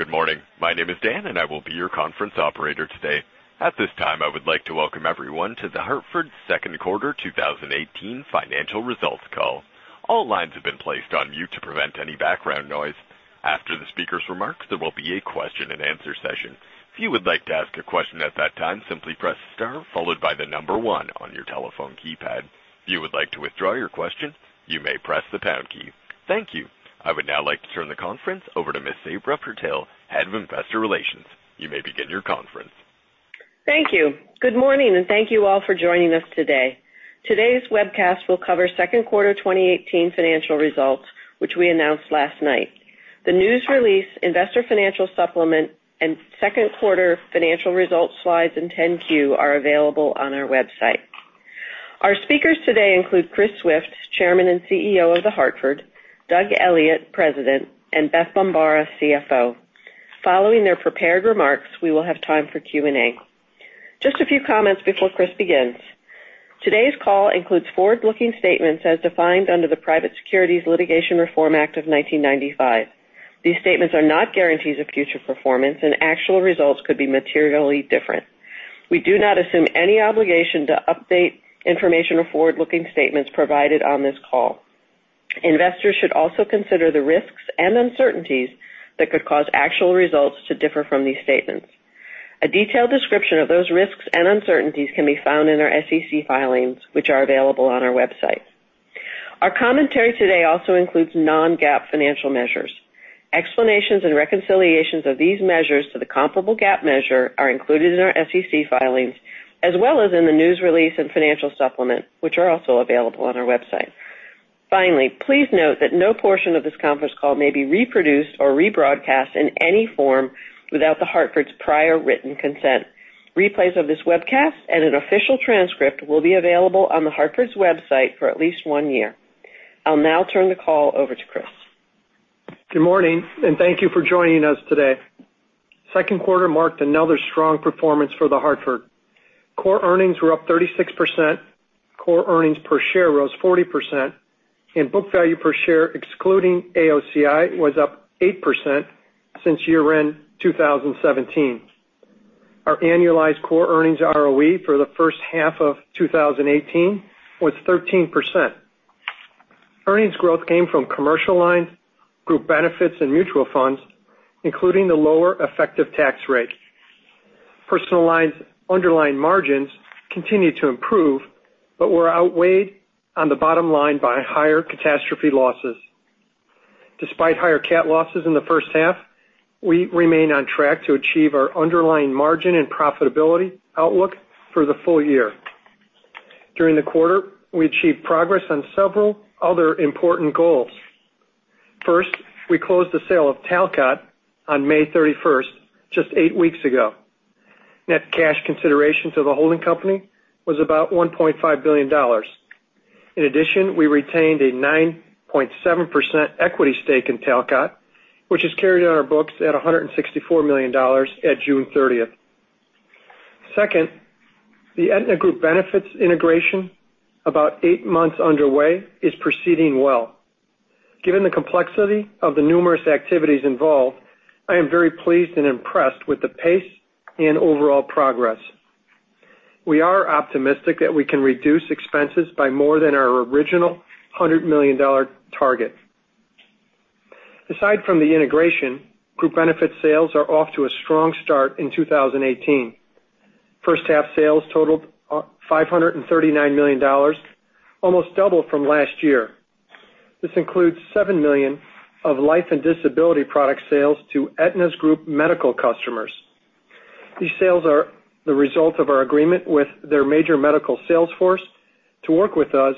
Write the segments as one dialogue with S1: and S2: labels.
S1: Good morning. My name is Dan, and I will be your conference operator today. At this time, I would like to welcome everyone to The Hartford's second quarter 2018 financial results call. All lines have been placed on mute to prevent any background noise. After the speaker's remarks, there will be a question and answer session. If you would like to ask a question at that time, simply press star followed by the number one on your telephone keypad. If you would like to withdraw your question, you may press the pound key. Thank you. I would now like to turn the conference over to Ms. Sabra Purtill, Head of Investor Relations. You may begin your conference.
S2: Thank you. Good morning, and thank you all for joining us today. Today's webcast will cover second quarter 2018 financial results, which we announced last night. The news release, investor financial supplement, and second quarter financial results slides in 10-Q are available on our website. Our speakers today include Chris Swift, Chairman and CEO of The Hartford; Doug Elliot, President; and Beth Bombara, CFO. Following their prepared remarks, we will have time for Q&A. Just a few comments before Chris begins. Today's call includes forward-looking statements as defined under the Private Securities Litigation Reform Act of 1995. These statements are not guarantees of future performance, and actual results could be materially different. We do not assume any obligation to update information or forward-looking statements provided on this call. Investors should also consider the risks and uncertainties that could cause actual results to differ from these statements. A detailed description of those risks and uncertainties can be found in our SEC filings, which are available on our website. Our commentary today also includes non-GAAP financial measures. Explanations and reconciliations of these measures to the comparable GAAP measure are included in our SEC filings, as well as in the news release and financial supplement, which are also available on our website. Finally, please note that no portion of this conference call may be reproduced or rebroadcast in any form without The Hartford's prior written consent. Replays of this webcast and an official transcript will be available on The Hartford's website for at least one year. I'll now turn the call over to Chris.
S3: Good morning, and thank you for joining us today. Second quarter marked another strong performance for The Hartford. Core earnings were up 36%, core earnings per share rose 40%, and book value per share, excluding AOCI, was up 8% since year-end 2017. Our annualized core earnings ROE for the first half of 2018 was 13%. Earnings growth came from Commercial Lines, Group Benefits, and Mutual Funds, including the lower effective tax rate. Personal Lines' underlying margins continued to improve but were outweighed on the bottom line by higher catastrophe losses. Despite higher cat losses in the first half, we remain on track to achieve our underlying margin and profitability outlook for the full year. During the quarter, we achieved progress on several other important goals. First, we closed the sale of Talcott on May 31st, just eight weeks ago. Net cash consideration to the holding company was about $1.5 billion. In addition, we retained a 9.7% equity stake in Talcott, which is carried on our books at $164 million at June 30th. Second, the Aetna Group Benefits integration, about eight months underway, is proceeding well. Given the complexity of the numerous activities involved, I am very pleased and impressed with the pace and overall progress. We are optimistic that we can reduce expenses by more than our original $100 million target. Aside from the integration, Group Benefits sales are off to a strong start in 2018. First half sales totaled $539 million, almost double from last year. This includes $7 million of life and disability product sales to Aetna's group medical customers. These sales are the result of our agreement with their major medical sales force to work with us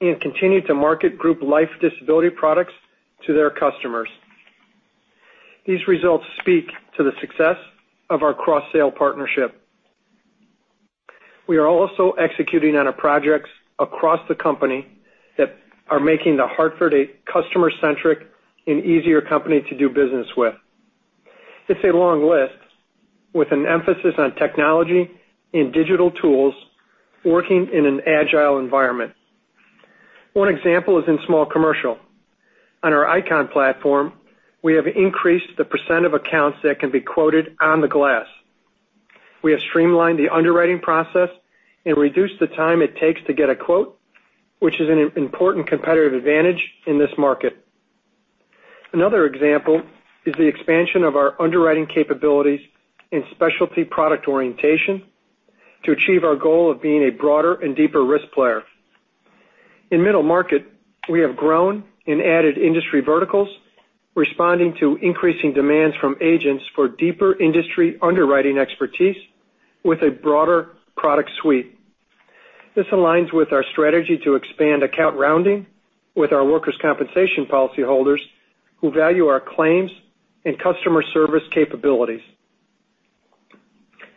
S3: and continue to market group life disability products to their customers. These results speak to the success of our cross-sale partnership. We are also executing on our projects across the company that are making The Hartford a customer-centric and easier company to do business with. It's a long list with an emphasis on technology and digital tools working in an agile environment. One example is in small Commercial Lines. On our ICON platform, we have increased the % of accounts that can be quoted on the glass. We have streamlined the underwriting process and reduced the time it takes to get a quote, which is an important competitive advantage in this market. Another example is the expansion of our underwriting capabilities and specialty product orientation to achieve our goal of being a broader and deeper risk player. In middle market, we have grown and added industry verticals, responding to increasing demands from agents for deeper industry underwriting expertise with a broader product suite. This aligns with our strategy to expand account rounding with our workers' compensation policyholders who value our claims and customer service capabilities.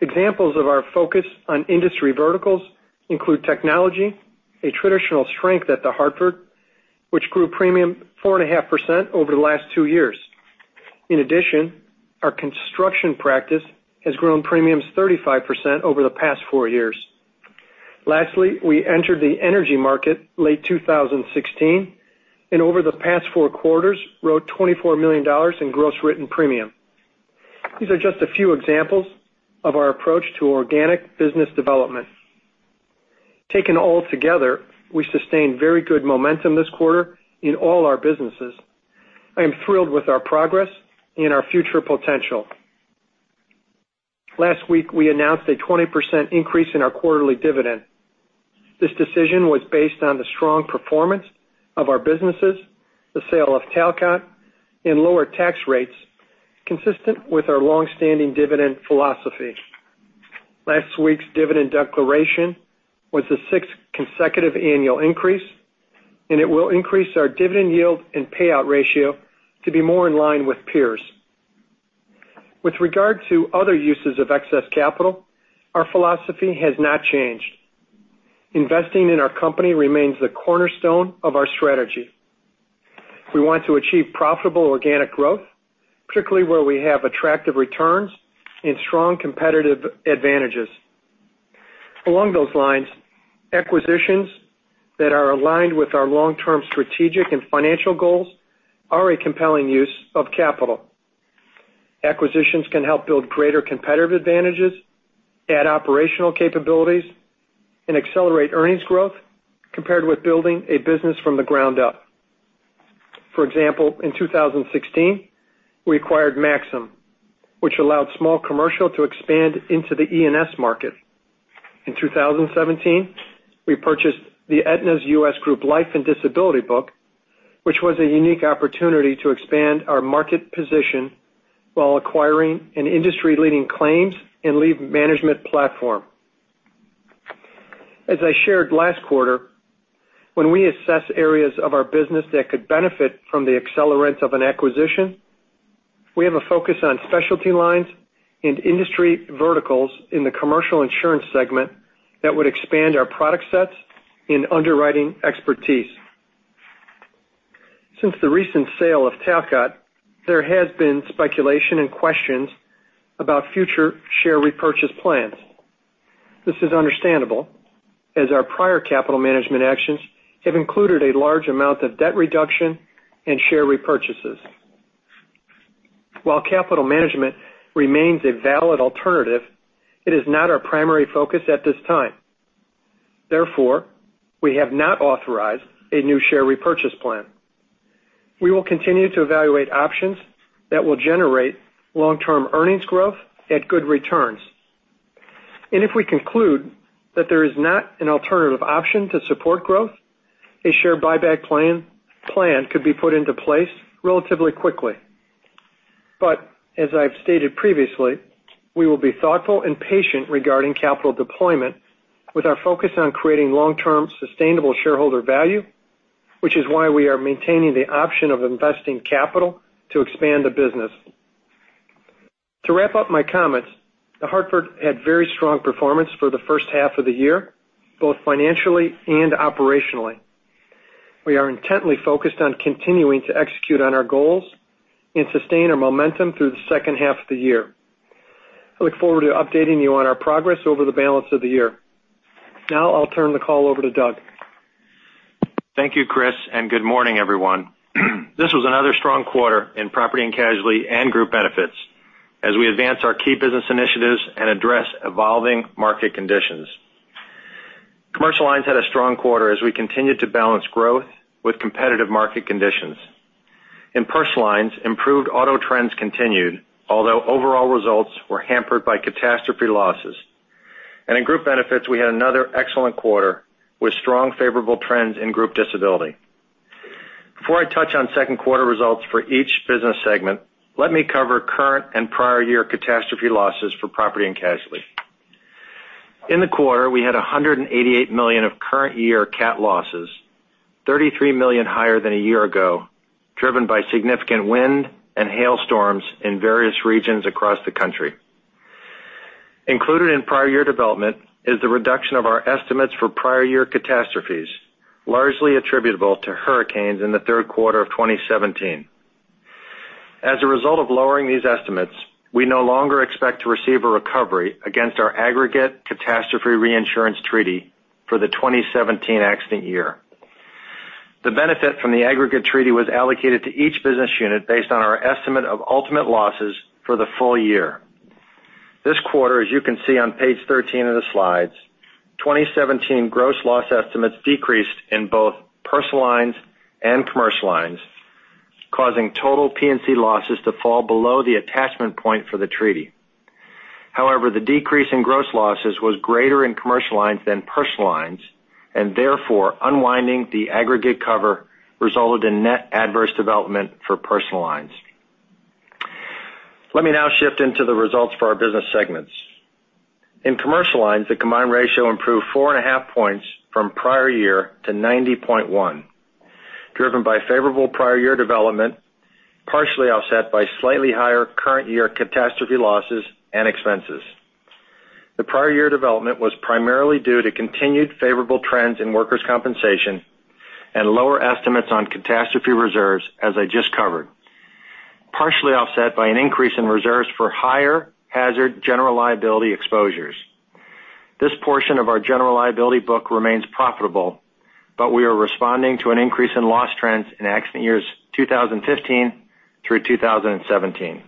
S3: Examples of our focus on industry verticals include technology, a traditional strength at The Hartford, which grew premium 4.5% over the last two years. In addition, our construction practice has grown premiums 35% over the past four years. Lastly, we entered the energy market late 2016, and over the past four quarters, wrote $24 million in gross written premium. These are just a few examples of our approach to organic business development. Taken all together, we sustained very good momentum this quarter in all our businesses. I am thrilled with our progress and our future potential. Last week, we announced a 20% increase in our quarterly dividend. This decision was based on the strong performance of our businesses, the sale of Talcott, and lower tax rates consistent with our longstanding dividend philosophy. Last week's dividend declaration was the sixth consecutive annual increase, and it will increase our dividend yield and payout ratio to be more in line with peers. With regard to other uses of excess capital, our philosophy has not changed. Investing in our company remains the cornerstone of our strategy. We want to achieve profitable organic growth, particularly where we have attractive returns and strong competitive advantages. Along those lines, acquisitions that are aligned with our long-term strategic and financial goals are a compelling use of capital. Acquisitions can help build greater competitive advantages, add operational capabilities, and accelerate earnings growth compared with building a business from the ground up. For example, in 2016, we acquired Maxum, which allowed small commercial to expand into the E&S market. In 2017, we purchased the Aetna's U.S. Group Life and Disability book, which was a unique opportunity to expand our market position while acquiring an industry-leading claims and leave management platform. As I shared last quarter, when we assess areas of our business that could benefit from the accelerant of an acquisition, we have a focus on specialty lines and industry verticals in the Commercial Lines segment that would expand our product sets and underwriting expertise. Since the recent sale of Talcott, there has been speculation and questions about future share repurchase plans. This is understandable, as our prior capital management actions have included a large amount of debt reduction and share repurchases. While capital management remains a valid alternative, it is not our primary focus at this time. We have not authorized a new share repurchase plan. We will continue to evaluate options that will generate long-term earnings growth at good returns. If we conclude that there is not an alternative option to support growth, a share buyback plan could be put into place relatively quickly. As I've stated previously, we will be thoughtful and patient regarding capital deployment with our focus on creating long-term sustainable shareholder value, which is why we are maintaining the option of investing capital to expand the business. To wrap up my comments, The Hartford had very strong performance for the first half of the year, both financially and operationally. I look forward to updating you on our progress over the balance of the year. I'll turn the call over to Doug.
S4: Thank you, Chris, and good morning, everyone. This was another strong quarter in Property and Casualty and Group Benefits as we advance our key business initiatives and address evolving market conditions. Commercial Lines had a strong quarter as we continued to balance growth with competitive market conditions. In Personal Lines, improved auto trends continued, although overall results were hampered by catastrophe losses. In Group Benefits, we had another excellent quarter with strong favorable trends in group disability. Before I touch on second quarter results for each business segment, let me cover current and prior year catastrophe losses for Property and Casualty. In the quarter, we had $188 million of current year cat losses, $33 million higher than a year ago, driven by significant wind and hailstorms in various regions across the country. Included in prior year development is the reduction of our estimates for prior year catastrophes, largely attributable to hurricanes in the third quarter of 2017. As a result of lowering these estimates, we no longer expect to receive a recovery against our aggregate catastrophe reinsurance treaty for the 2017 accident year. The benefit from the aggregate treaty was allocated to each business unit based on our estimate of ultimate losses for the full year. This quarter, as you can see on page 13 of the slides, 2017 gross loss estimates decreased in both Commercial Lines and Personal Lines, causing total P&C losses to fall below the attachment point for the treaty. However, the decrease in gross losses was greater in Commercial Lines than Personal Lines, and therefore, unwinding the aggregate cover resulted in net adverse development for Personal Lines. Let me now shift into the results for our business segments. In Commercial Lines, the combined ratio improved four and a half points from prior year to 90.1, driven by favorable prior year development, partially offset by slightly higher current year catastrophe losses and expenses. The prior year development was primarily due to continued favorable trends in workers' compensation and lower estimates on catastrophe reserves, as I just covered. Partially offset by an increase in reserves for higher hazard general liability exposures. This portion of our general liability book remains profitable, but we are responding to an increase in loss trends in accident years 2015 through 2017.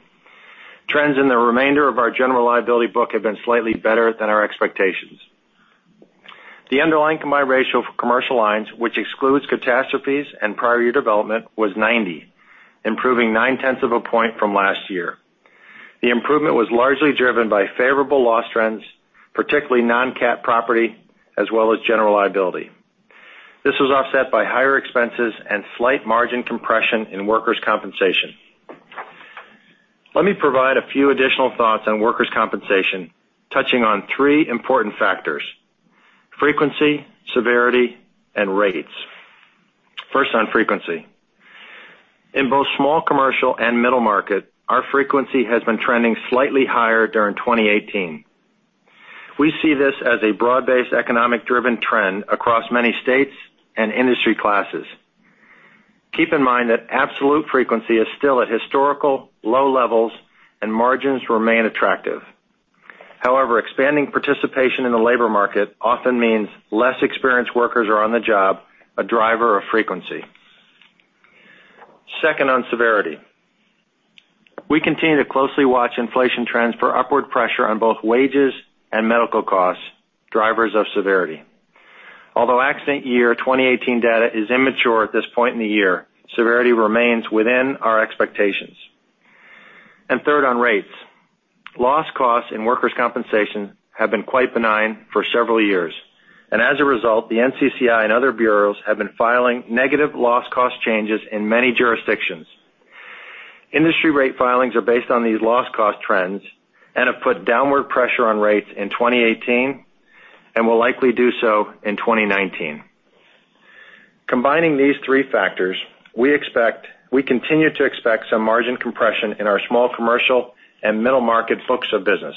S4: Trends in the remainder of our general liability book have been slightly better than our expectations. The underlying combined ratio for Commercial Lines, which excludes catastrophes and prior year development, was 90, improving nine-tenths of a point from last year. The improvement was largely driven by favorable loss trends, particularly non-cat property, as well as general liability. This was offset by higher expenses and slight margin compression in workers' compensation. Let me provide a few additional thoughts on workers' compensation, touching on three important factors, frequency, severity, and rates. First, on frequency. In both small commercial and middle market, our frequency has been trending slightly higher during 2018. We see this as a broad-based economic-driven trend across many states and industry classes. Keep in mind that absolute frequency is still at historical low levels and margins remain attractive. However, expanding participation in the labor market often means less experienced workers are on the job, a driver of frequency. Second, on severity. We continue to closely watch inflation trends for upward pressure on both wages and medical costs, drivers of severity. Although accident year 2018 data is immature at this point in the year, severity remains within our expectations. Third, on rates. Loss costs and workers' compensation have been quite benign for several years, as a result, the NCCI and other bureaus have been filing negative loss cost changes in many jurisdictions. Industry rate filings are based on these loss cost trends and have put downward pressure on rates in 2018 and will likely do so in 2019. Combining these three factors, we continue to expect some margin compression in our small commercial and middle market books of business.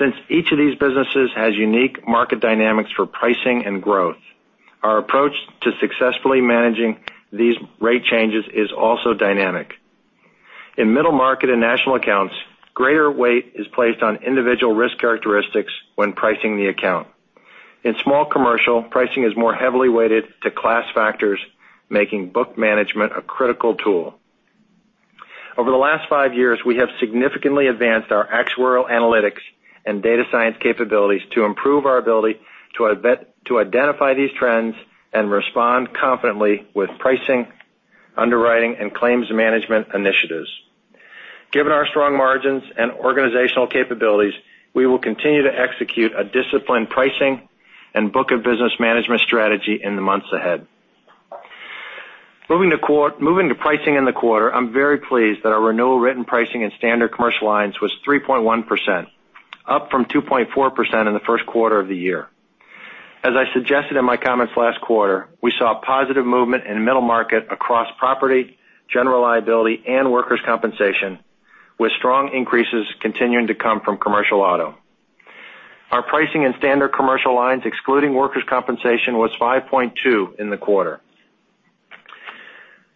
S4: Since each of these businesses has unique market dynamics for pricing and growth, our approach to successfully managing these rate changes is also dynamic. In middle market and national accounts, greater weight is placed on individual risk characteristics when pricing the account. In Small Commercial, pricing is more heavily weighted to class factors, making book management a critical tool. Over the last five years, we have significantly advanced our actuarial analytics and data science capabilities to improve our ability to identify these trends and respond confidently with pricing, underwriting, and claims management initiatives. Given our strong margins and organizational capabilities, we will continue to execute a disciplined pricing and book of business management strategy in the months ahead. Moving to pricing in the quarter, I'm very pleased that our renewal written pricing in standard Commercial Lines was 3.1%, up from 2.4% in the first quarter of the year. As I suggested in my comments last quarter, we saw positive movement in the Middle Market across property, general liability, and workers' compensation, with strong increases continuing to come from commercial auto. Our pricing in standard Commercial Lines, excluding workers' compensation, was 5.2% in the quarter.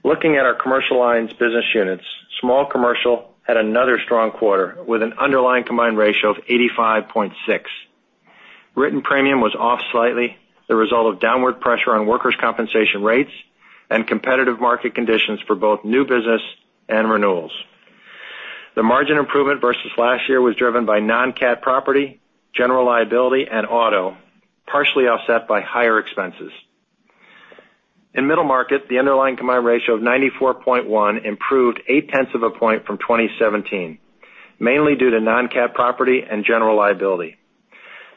S4: Looking at our Commercial Lines business units, Small Commercial had another strong quarter with an underlying combined ratio of 85.6%. Written premium was off slightly, the result of downward pressure on workers' compensation rates and competitive market conditions for both new business and renewals. The margin improvement versus last year was driven by non-cat property, general liability, and auto, partially offset by higher expenses. In Middle Market, the underlying combined ratio of 94.1% improved eight-tenths of a point from 2017, mainly due to non-cat property and general liability.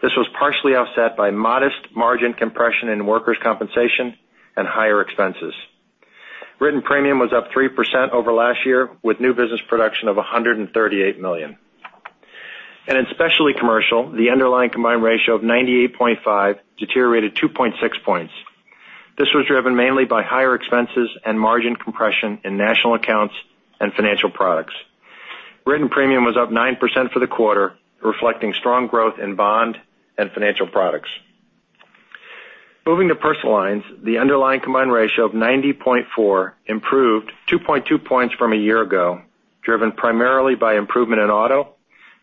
S4: This was partially offset by modest margin compression in workers' compensation and higher expenses. Written premium was up 3% over last year, with new business production of $138 million. In Specialty Commercial, the underlying combined ratio of 98.5% deteriorated 2.6 points. This was driven mainly by higher expenses and margin compression in National Accounts and Financial Products. Written premium was up 9% for the quarter, reflecting strong growth in bond and Financial Products. Moving to Personal Lines, the underlying combined ratio of 90.4% improved 2.2 points from a year ago, driven primarily by improvement in auto,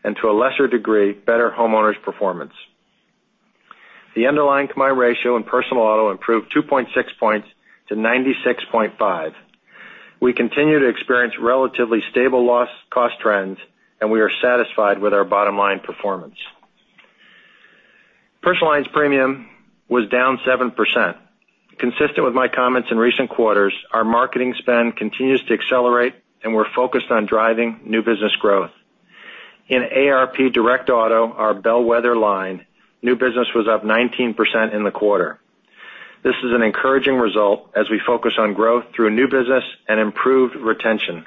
S4: and to a lesser degree, better homeowners' performance. The underlying combined ratio in Personal Auto improved 2.6 points to 96.5%. We continue to experience relatively stable loss cost trends, and we are satisfied with our bottom line performance. Personal Lines premium was down 7%. Consistent with my comments in recent quarters, our marketing spend continues to accelerate, and we're focused on driving new business growth. In AARP Direct Auto, our bellwether line, new business was up 19% in the quarter. This is an encouraging result as we focus on growth through new business and improved retention.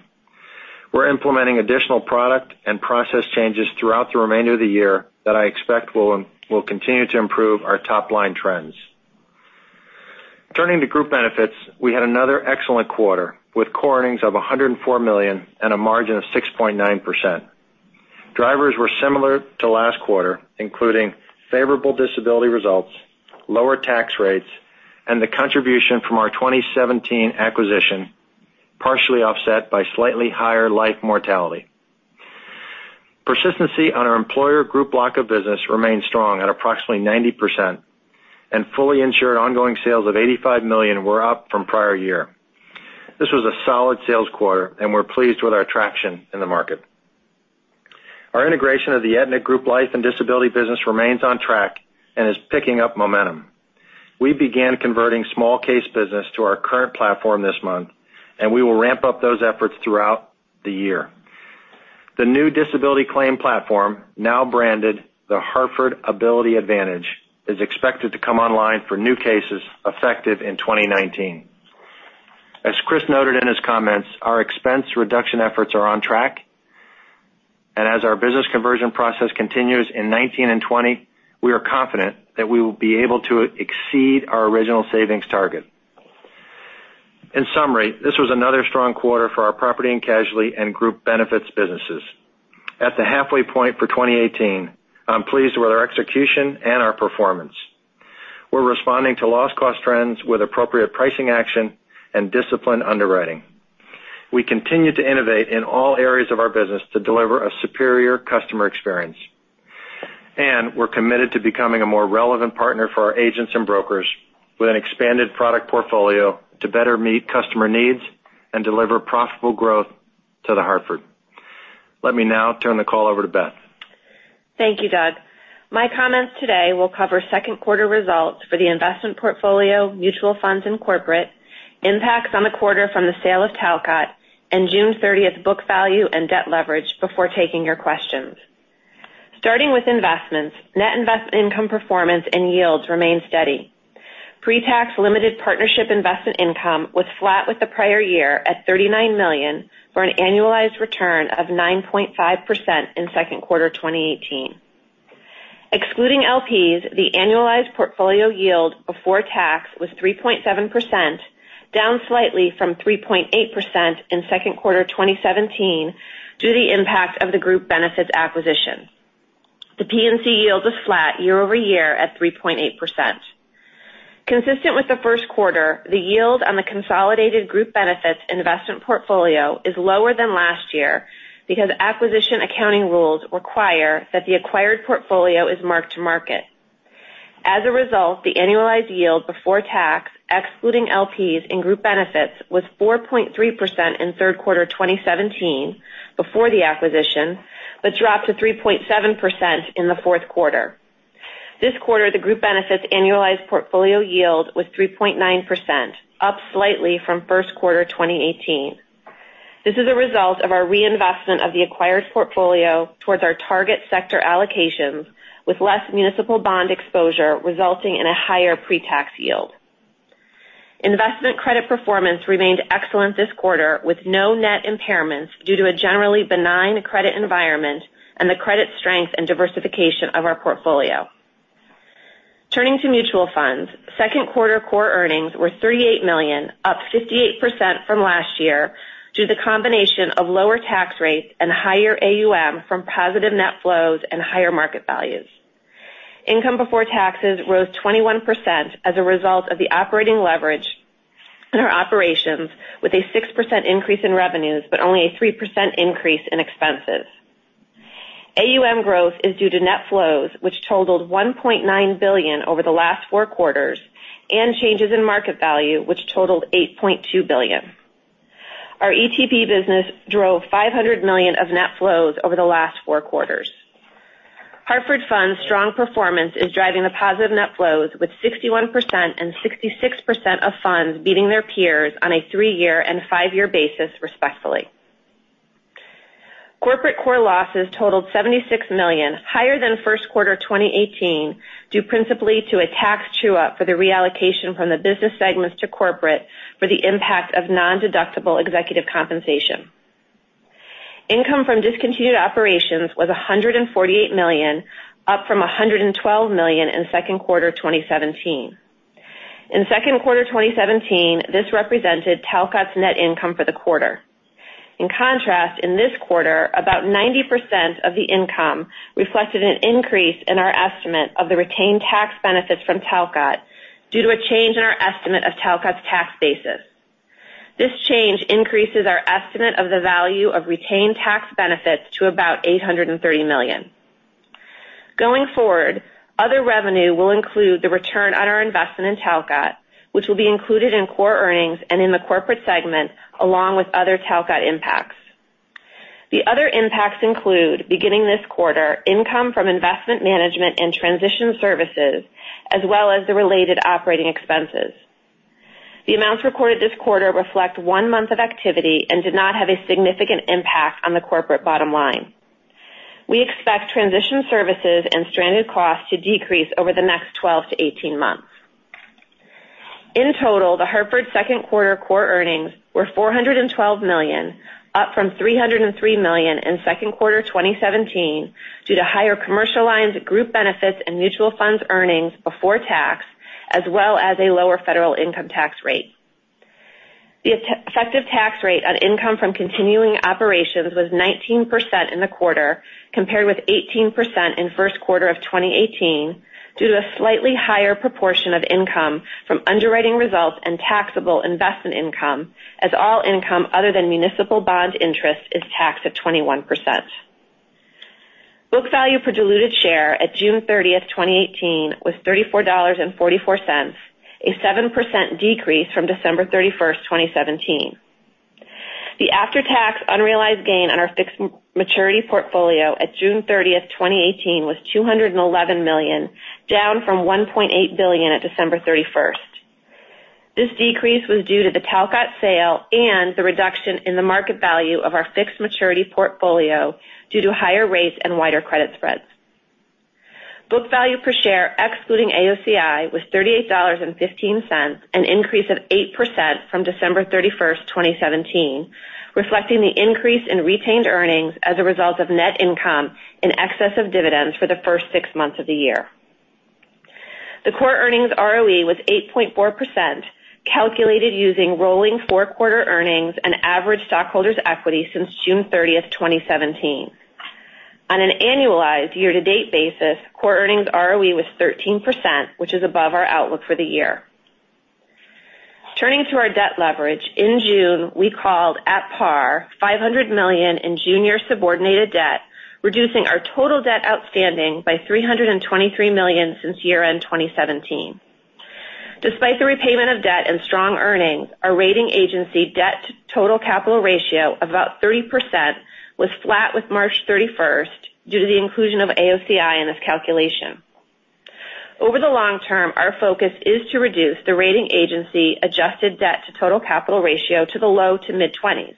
S4: We're implementing additional product and process changes throughout the remainder of the year that I expect will continue to improve our top-line trends. Turning to Group Benefits, we had another excellent quarter, with core earnings of $104 million and a margin of 6.9%. Drivers were similar to last quarter, including favorable disability results, lower tax rates, and the contribution from our 2017 acquisition, partially offset by slightly higher life mortality. Persistency on our employer group block of business remains strong at approximately 90%, and fully insured ongoing sales of $85 million were up from prior year. This was a solid sales quarter, and we're pleased with our traction in the market. Our integration of the Aetna Group Life and Disability business remains on track and is picking up momentum. We began converting small case business to our current platform this month, we will ramp up those efforts throughout the year. The new disability claim platform, now branded The Hartford Ability Advantage, is expected to come online for new cases effective in 2019. As Chris noted in his comments, our expense reduction efforts are on track, as our business conversion process continues in 2019 and 2020, we are confident that we will be able to exceed our original savings target. In summary, this was another strong quarter for our property and casualty and Group Benefits businesses. At the halfway point for 2018, I'm pleased with our execution and our performance. We're responding to loss cost trends with appropriate pricing action and disciplined underwriting. We continue to innovate in all areas of our business to deliver a superior customer experience. We're committed to becoming a more relevant partner for our agents and brokers with an expanded product portfolio to better meet customer needs and deliver profitable growth to The Hartford. Let me now turn the call over to Beth.
S5: Thank you, Doug. My comments today will cover second quarter results for the investment portfolio, Mutual Funds and corporate, impacts on the quarter from the sale of Talcott, and June 30th book value and debt leverage before taking your questions. Starting with investments, net investment income performance and yields remain steady. Pre-tax limited partnership investment income was flat with the prior year at $39 million, for an annualized return of 9.5% in second quarter 2018. Excluding LPs, the annualized portfolio yield before tax was 3.7%, down slightly from 3.8% in second quarter 2017 due to the impact of the Group Benefits acquisition. The P&C yield was flat year-over-year at 3.8%. Consistent with the first quarter, the yield on the consolidated Group Benefits investment portfolio is lower than last year because acquisition accounting rules require that the acquired portfolio is marked to market. As a result, the annualized yield before tax, excluding LPs and Group Benefits, was 4.3% in third quarter 2017 before the acquisition, but dropped to 3.7% in the fourth quarter. This quarter, the Group Benefits annualized portfolio yield was 3.9%, up slightly from first quarter 2018. This is a result of our reinvestment of the acquired portfolio towards our target sector allocations, with less municipal bond exposure resulting in a higher pre-tax yield. Investment credit performance remained excellent this quarter, with no net impairments due to a generally benign credit environment and the credit strength and diversification of our portfolio. Turning to Mutual Funds, second quarter core earnings were $38 million, up 58% from last year due to the combination of lower tax rates and higher AUM from positive net flows and higher market values. Income before taxes rose 21% as a result of the operating leverage in our operations, with a 6% increase in revenues, but only a 3% increase in expenses. AUM growth is due to net flows, which totaled $1.9 billion over the last four quarters, and changes in market value, which totaled $8.2 billion. Our ETP business drove $500 million of net flows over the last four quarters. Hartford Funds' strong performance is driving the positive net flows, with 61% and 66% of funds beating their peers on a three-year and five-year basis, respectively. Corporate core losses totaled $76 million, higher than first quarter 2018, due principally to a tax true-up for the reallocation from the business segments to Corporate for the impact of nondeductible executive compensation. Income from discontinued operations was $148 million, up from $112 million in second quarter 2017. In second quarter 2017, this represented Talcott's net income for the quarter. In contrast, in this quarter, about 90% of the income reflected an increase in our estimate of the retained tax benefits from Talcott due to a change in our estimate of Talcott's tax basis. This change increases our estimate of the value of retained tax benefits to about $830 million. Going forward, other revenue will include the return on our investment in Talcott, which will be included in core earnings and in the Corporate segment, along with other Talcott impacts. The other impacts include, beginning this quarter, income from investment management and transition services, as well as the related operating expenses. The amounts recorded this quarter reflect one month of activity and did not have a significant impact on the corporate bottom line. We expect transition services and stranded costs to decrease over the next 12 to 18 months. In total, The Hartford second quarter core earnings were $412 million, up from $303 million in second quarter 2017 due to higher Commercial Lines, Group Benefits, and Mutual Funds earnings before tax, as well as a lower federal income tax rate. The effective tax rate on income from continuing operations was 19% in the quarter, compared with 18% in first quarter of 2018, due to a slightly higher proportion of income from underwriting results and taxable investment income, as all income other than municipal bond interest is taxed at 21%. Book value per diluted share at June 30th, 2018, was $34.44, a 7% decrease from December 31st, 2017. The after-tax unrealized gain on our fixed maturity portfolio at June 30th, 2018, was $211 million, down from $1.8 billion at December 31st, 2017. This decrease was due to the Talcott sale and the reduction in the market value of our fixed maturity portfolio due to higher rates and wider credit spreads. Book value per share excluding AOCI was $38.15, an increase of 8% from December 31st, 2017, reflecting the increase in retained earnings as a result of net income in excess of dividends for the first six months of the year. The core earnings ROE was 8.4%, calculated using rolling four-quarter earnings and average stockholders' equity since June 30th, 2017. On an annualized year-to-date basis, core earnings ROE was 13%, which is above our outlook for the year. Turning to our debt leverage, in June, we called at par $500 million in junior subordinated debt, reducing our total debt outstanding by $323 million since year-end 2017. Despite the repayment of debt and strong earnings, our rating agency debt to total capital ratio of about 30% was flat with March 31st due to the inclusion of AOCI in this calculation. Over the long term, our focus is to reduce the rating agency adjusted debt to total capital ratio to the low to mid-20s.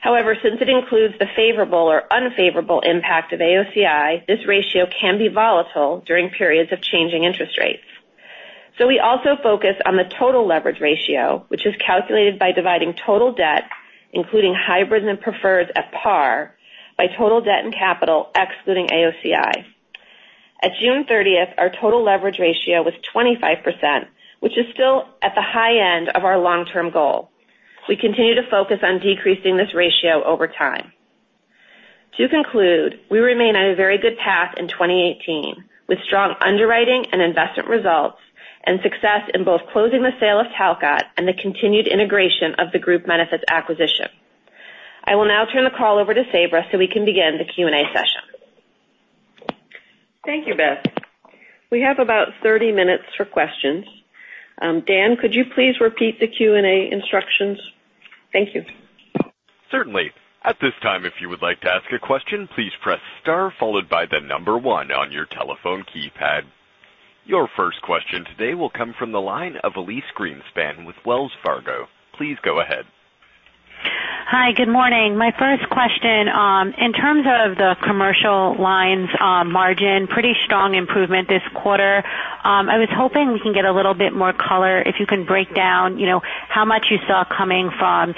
S5: However, since it includes the favorable or unfavorable impact of AOCI, this ratio can be volatile during periods of changing interest rates. We also focus on the total leverage ratio, which is calculated by dividing total debt, including hybrids and preferreds at par, by total debt and capital excluding AOCI. At June 30th, our total leverage ratio was 25%, which is still at the high end of our long-term goal. We continue to focus on decreasing this ratio over time. To conclude, we remain on a very good path in 2018, with strong underwriting and investment results and success in both closing the sale of Talcott and the continued integration of the Group Benefits acquisition. I will now turn the call over to Sabra so we can begin the Q&A session.
S2: Thank you, Beth. We have about 30 minutes for questions. Dan, could you please repeat the Q&A instructions? Thank you.
S1: Certainly. At this time, if you would like to ask a question, please press star followed by the number 1 on your telephone keypad. Your first question today will come from the line of Elyse Greenspan with Wells Fargo. Please go ahead.
S6: Hi. Good morning. My first question, in terms of the Commercial Lines margin, pretty strong improvement this quarter. I was hoping we can get a little bit more color, if you can break down how much you saw coming from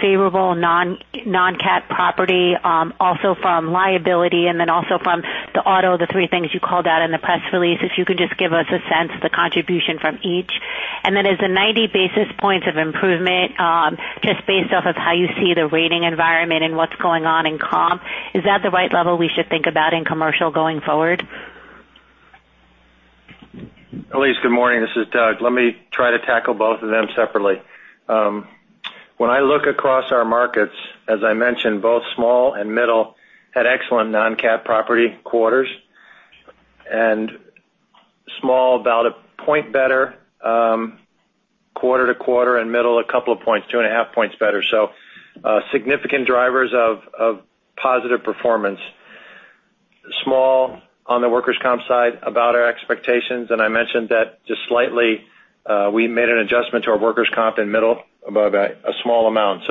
S6: favorable non-CAT property, also from liability, and then also from the auto, the three things you called out in the press release. If you could just give us a sense of the contribution from each. Then as the 90 basis points of improvement, just based off of how you see the rating environment and what's going on in comp, is that the right level we should think about in Commercial going forward?
S4: Elyse, good morning. This is Doug. Let me try to tackle both of them separately. When I look across our markets, as I mentioned, both small and middle had excellent non-CAT property quarters. Small, about a point better quarter-to-quarter, and middle, a couple of points, two and a half points better. Significant drivers of positive performance. Small on the workers' comp side, about our expectations, and I mentioned that just slightly we made an adjustment to our workers' comp in middle above a small amount.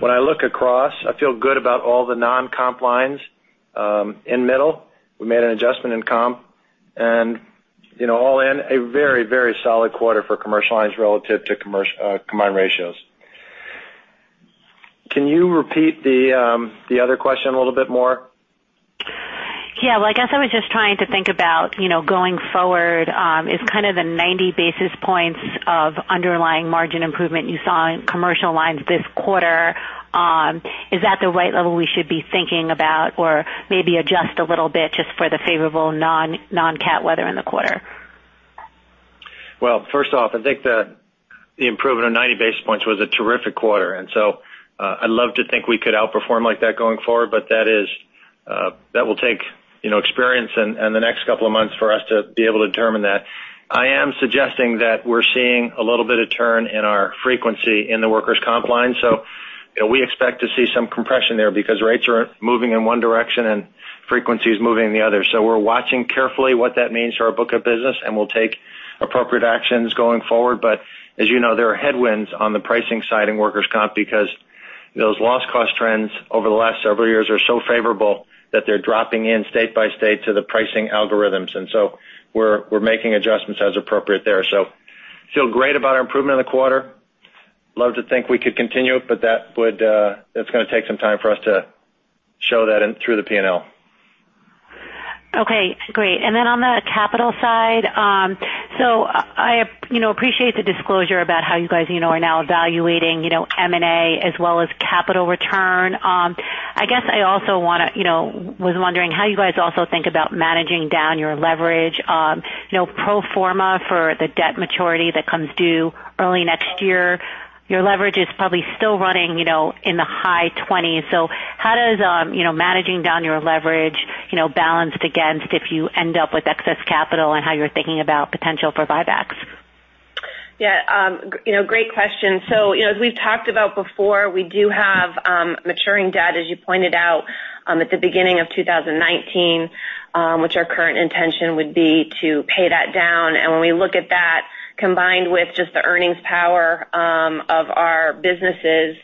S4: When I look across, I feel good about all the non-comp lines in middle. We made an adjustment in comp. All in, a very solid quarter for Commercial Lines relative to combined ratios. Can you repeat the other question a little bit more?
S6: Well, I guess I was just trying to think about going forward, is kind of the 90 basis points of underlying margin improvement you saw in Commercial Lines this quarter, is that the right level we should be thinking about or maybe adjust a little bit just for the favorable non-CAT weather in the quarter?
S4: Well, first off, I think the improvement of 90 basis points was a terrific quarter. I'd love to think we could outperform like that going forward, but that will take experience and the next couple of months for us to be able to determine that. I am suggesting that we're seeing a little bit of turn in our frequency in the workers' comp line. We expect to see some compression there because rates are moving in one direction and frequency is moving in the other. We're watching carefully what that means to our book of business, and we'll take appropriate actions going forward. As you know, there are headwinds on the pricing side in workers' comp because those loss cost trends over the last several years are so favorable that they're dropping in state by state to the pricing algorithms. We're making adjustments as appropriate there. Feel great about our improvement in the quarter. Love to think we could continue it, but that's going to take some time for us to show that through the P&L.
S6: Okay, great. On the capital side, I appreciate the disclosure about how you guys are now evaluating M&A as well as capital return. I guess I also was wondering how you guys also think about managing down your leverage. Pro forma for the debt maturity that comes due early next year, your leverage is probably still running in the high 20s. How does managing down your leverage balance against if you end up with excess capital and how you're thinking about potential for buybacks?
S5: Yeah. Great question. As we've talked about before, we do have maturing debt, as you pointed out at the beginning of 2019, which our current intention would be to pay that down. When we look at that, combined with just the earnings power of our businesses,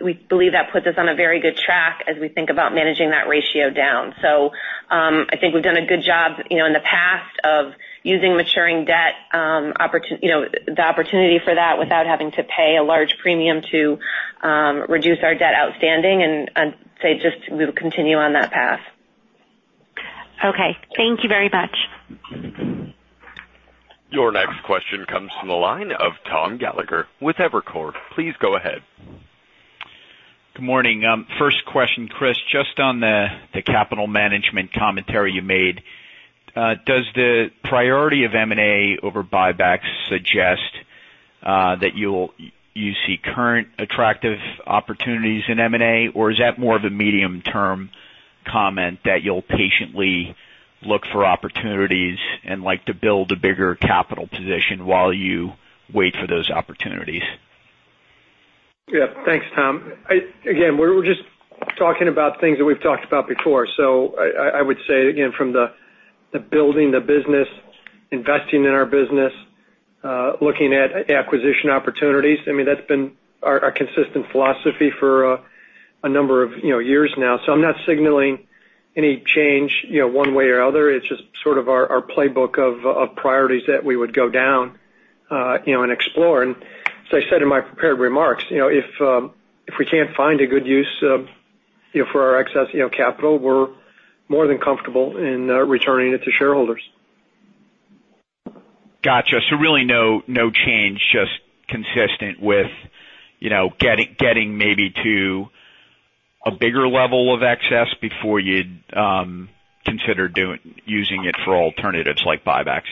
S5: we believe that puts us on a very good track as we think about managing that ratio down. I think we've done a good job in the past of using maturing debt, the opportunity for that, without having to pay a large premium to reduce our debt outstanding, and I'd say just we'll continue on that path.
S6: Okay. Thank you very much.
S1: Your next question comes from the line of Thomas Gallagher with Evercore. Please go ahead.
S7: Good morning. First question, Chris, just on the capital management commentary you made. Does the priority of M&A over buybacks suggest that you see current attractive opportunities in M&A? Or is that more of a medium-term comment that you'll patiently look for opportunities and like to build a bigger capital position while you wait for those opportunities?
S3: Yeah. Thanks, Tom. Again, we're just talking about things that we've talked about before. I would say, again, from the building the business, investing in our business, looking at acquisition opportunities, that's been our consistent philosophy for a number of years now. I'm not signaling any change one way or other. It's just sort of our playbook of priorities that we would go down and explore. As I said in my prepared remarks, if we can't find a good use for our excess capital, we're more than comfortable in returning it to shareholders.
S7: Got you. Really no change, just consistent with getting maybe to a bigger level of excess before you'd consider using it for alternatives like buybacks.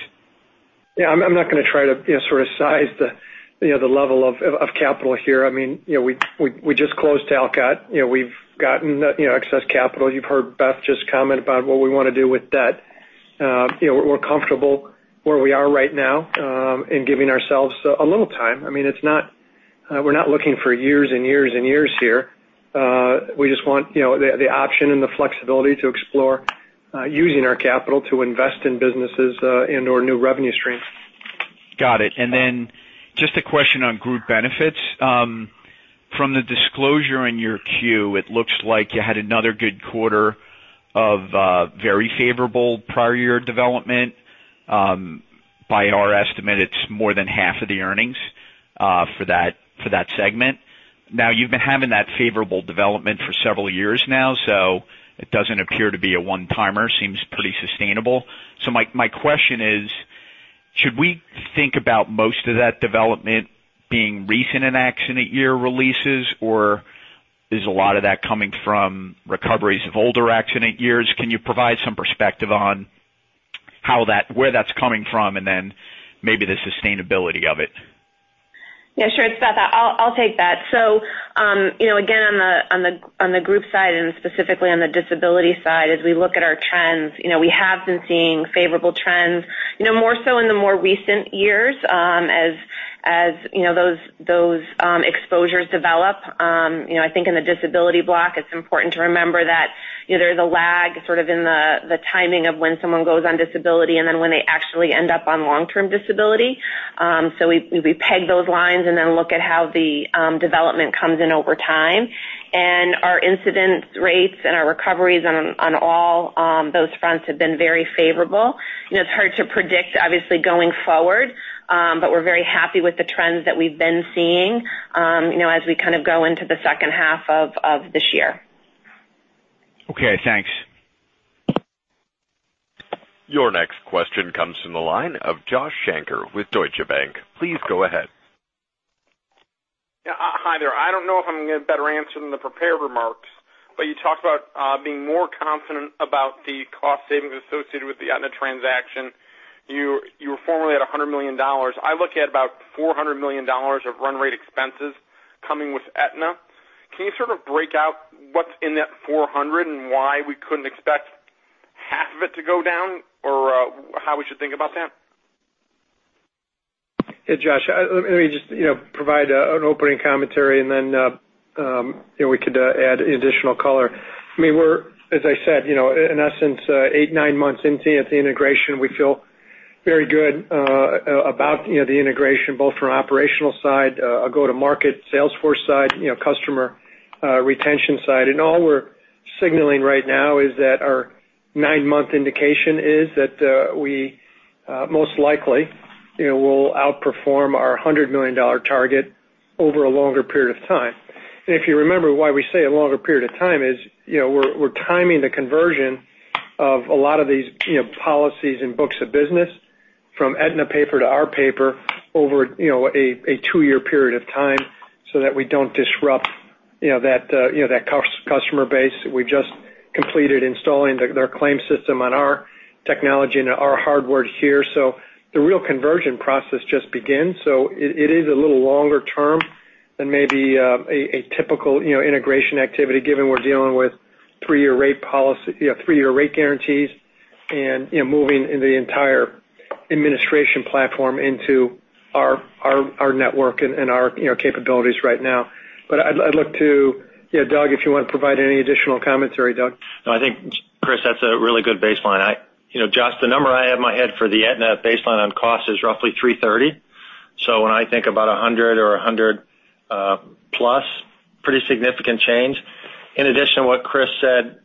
S3: Yeah. I'm not going to try to size the level of capital here. We just closed Talcott. We've gotten excess capital. You've heard Beth just comment about what we want to do with debt. We're comfortable where we are right now in giving ourselves a little time. We're not looking for years and years and years here. We just want the option and the flexibility to explore using our capital to invest in businesses and/or new revenue streams.
S7: Got it. Just a question on Group Benefits. From the disclosure in your Q, it looks like you had another good quarter of very favorable prior year development. By our estimate, it's more than half of the earnings for that segment. You've been having that favorable development for several years now, so it doesn't appear to be a one-timer. Seems pretty sustainable. My question is, should we think about most of that development being recent in accident year releases, or is a lot of that coming from recoveries of older accident years? Can you provide some perspective on where that's coming from and then maybe the sustainability of it?
S5: Yeah, sure. It's Beth. I'll take that. Again, on the group side and specifically on the disability side, as we look at our trends, we have been seeing favorable trends more so in the more recent years, as those exposures develop. I think in the disability block, it's important to remember that there's a lag sort of in the timing of when someone goes on disability and then when they actually end up on long-term disability. We peg those lines and then look at how the development comes in over time. Our incidence rates and our recoveries on all those fronts have been very favorable. It's hard to predict, obviously, going forward, but we're very happy with the trends that we've been seeing as we kind of go into the second half of this year.
S7: Okay, thanks.
S1: Your next question comes from the line of Josh Shanker with Deutsche Bank. Please go ahead.
S8: Yeah. Hi there. I don't know if I'm going to get a better answer than the prepared remarks, you talked about being more confident about the cost savings associated with the Aetna transaction. You were formerly at $100 million. I look at about $400 million of run rate expenses coming with Aetna. Can you sort of break out what's in that 400 and why we couldn't expect half of it to go down, or how we should think about that?
S3: Hey, Josh. Let me just provide an opening commentary, then we could add additional color. As I said, in essence, eight, nine months into the integration, we feel very good about the integration, both from an operational side, a go-to-market Salesforce side, customer retention side. All we're signaling right now is that our nine-month indication is that we most likely will outperform our $100 million target over a longer period of time. If you remember why we say a longer period of time is, we're timing the conversion of a lot of these policies and books of business from Aetna paper to our paper over a two-year period of time so that we don't disrupt that customer base. We just completed installing their claims system on our technology and our hardware here. The real conversion process just begins. It is a little longer term than maybe a typical integration activity, given we're dealing with three-year rate guarantees and moving the entire administration platform into our network and our capabilities right now. I'd look to Doug, if you want to provide any additional commentary, Doug.
S4: No, I think, Chris, that's a really good baseline. Josh, the number I have in my head for the Aetna baseline on cost is roughly $330. When I think about $100 or $100-plus, pretty significant change. In addition to what Chris said,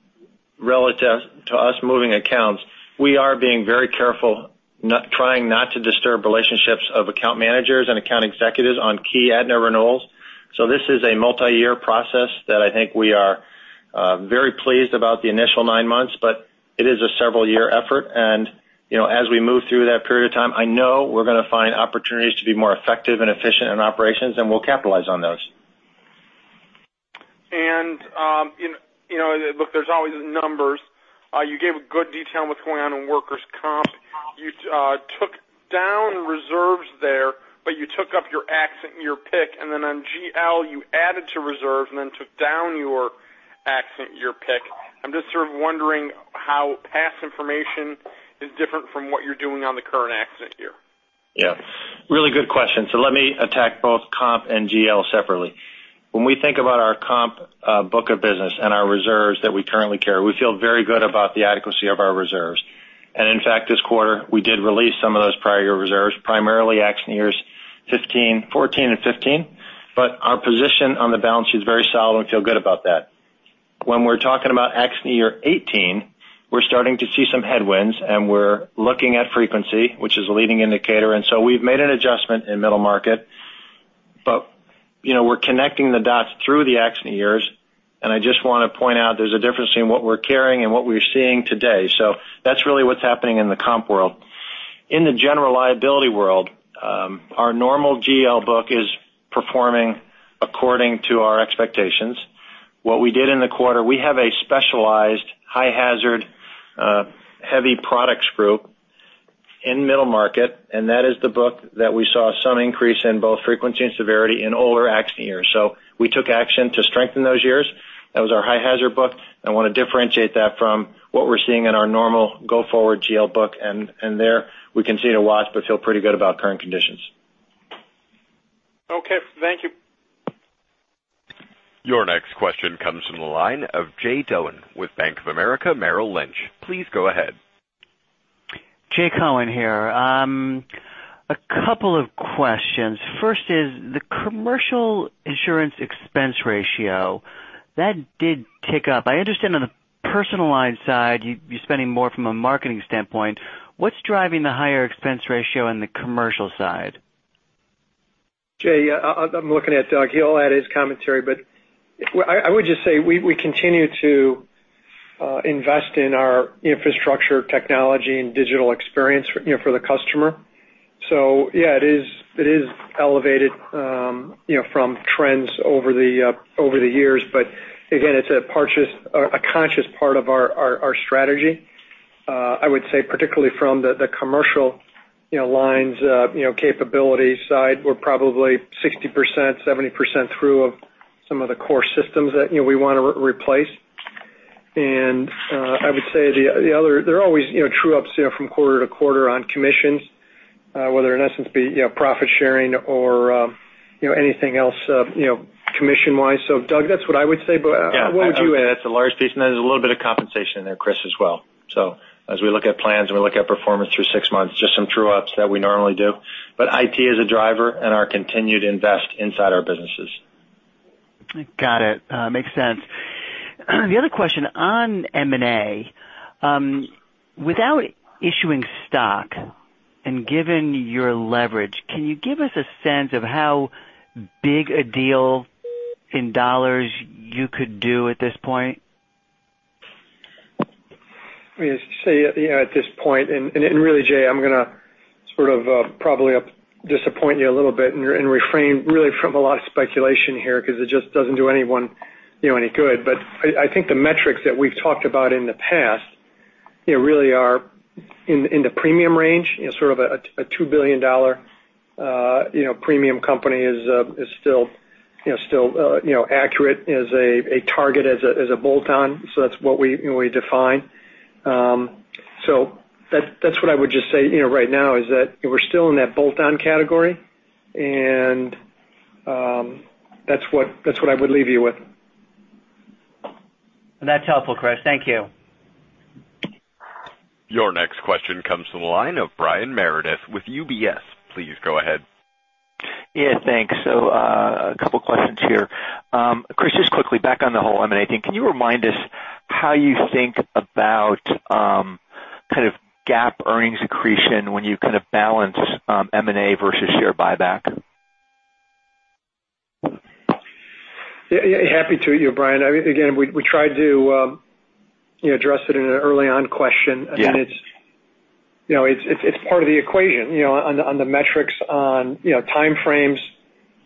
S4: relative to us moving accounts, we are being very careful trying not to disturb relationships of account managers and account executives on key Aetna renewals. This is a multi-year process that I think we are very pleased about the initial nine months, but it is a several-year effort. As we move through that period of time, I know we're going to find opportunities to be more effective and efficient in operations, and we'll capitalize on those.
S8: Look, there's always numbers. You gave a good detail on what's going on in workers' comp. You took down reserves there, you took up your accident year pick, on GL, you added to reserves, took down your accident year pick. I'm just sort of wondering how past information is different from what you're doing on the current accident year.
S4: Really good question. Let me attack both comp and GL separately. When we think about our comp book of business and our reserves that we currently carry, we feel very good about the adequacy of our reserves. In fact, this quarter, we did release some of those prior year reserves, primarily accident years 2014 and 2015. Our position on the balance sheet is very solid, and we feel good about that. When we're talking about accident year 2018, we're starting to see some headwinds, and we're looking at frequency, which is a leading indicator, we've made an adjustment in middle market. We're connecting the dots through the accident years, and I just want to point out there's a difference between what we're carrying and what we're seeing today. That's really what's happening in the comp world. In the general liability world, our normal GL book is performing according to our expectations. What we did in the quarter, we have a specialized high-hazard, heavy products group in middle market, that is the book that we saw some increase in both frequency and severity in older accident years. We took action to strengthen those years. That was our high-hazard book, I want to differentiate that from what we're seeing in our normal go-forward GL book, there we continue to watch but feel pretty good about current conditions.
S8: Okay. Thank you.
S1: Your next question comes from the line of Jay Cohen with Bank of America Merrill Lynch. Please go ahead.
S9: Jay Cohen here. A couple of questions. First is the commercial insurance expense ratio. That did tick up. I understand on the Personal Lines side, you're spending more from a marketing standpoint. What's driving the higher expense ratio on the commercial side?
S3: Jay, I'm looking at Doug. He'll add his commentary, but I would just say we continue to invest in our infrastructure technology and digital experience for the customer. Yeah, it is elevated from trends over the years, but again, it's a conscious part of our strategy. I would say particularly from the Commercial Lines capability side, we're probably 60%, 70% through of some of the core systems that we want to replace. I would say there are always true-ups from quarter to quarter on commissions, whether in essence be profit sharing or anything else commission-wise. Doug, that's what I would say, but what would you add?
S4: Yeah. That's a large piece, and there's a little bit of compensation in there, Chris, as well. As we look at plans and we look at performance through six months, just some true-ups that we normally do. IT is a driver and our continued invest inside our businesses.
S9: Got it. Makes sense. The other question on M&A. Without issuing stock and given your leverage, can you give us a sense of how big a deal in dollars you could do at this point?
S3: You say at this point, really, Jay, I'm going to sort of probably disappoint you a little bit and refrain really from a lot of speculation here because it just doesn't do anyone any good. I think the metrics that we've talked about in the past really are in the premium range, sort of a $2 billion premium company is still accurate as a target as a bolt-on. That's what we define. That's what I would just say right now is that we're still in that bolt-on category, and that's what I would leave you with.
S9: That's helpful, Chris. Thank you.
S1: Your next question comes from the line of Brian Meredith with UBS. Please go ahead.
S10: Yeah, thanks. A couple of questions here. Chris, just quickly back on the whole M&A thing, can you remind us how you think about GAAP earnings accretion when you balance M&A versus share buyback?
S3: Happy to, Brian. We tried to address it in an early-on question.
S10: Yeah.
S3: It's part of the equation on the metrics on time frames,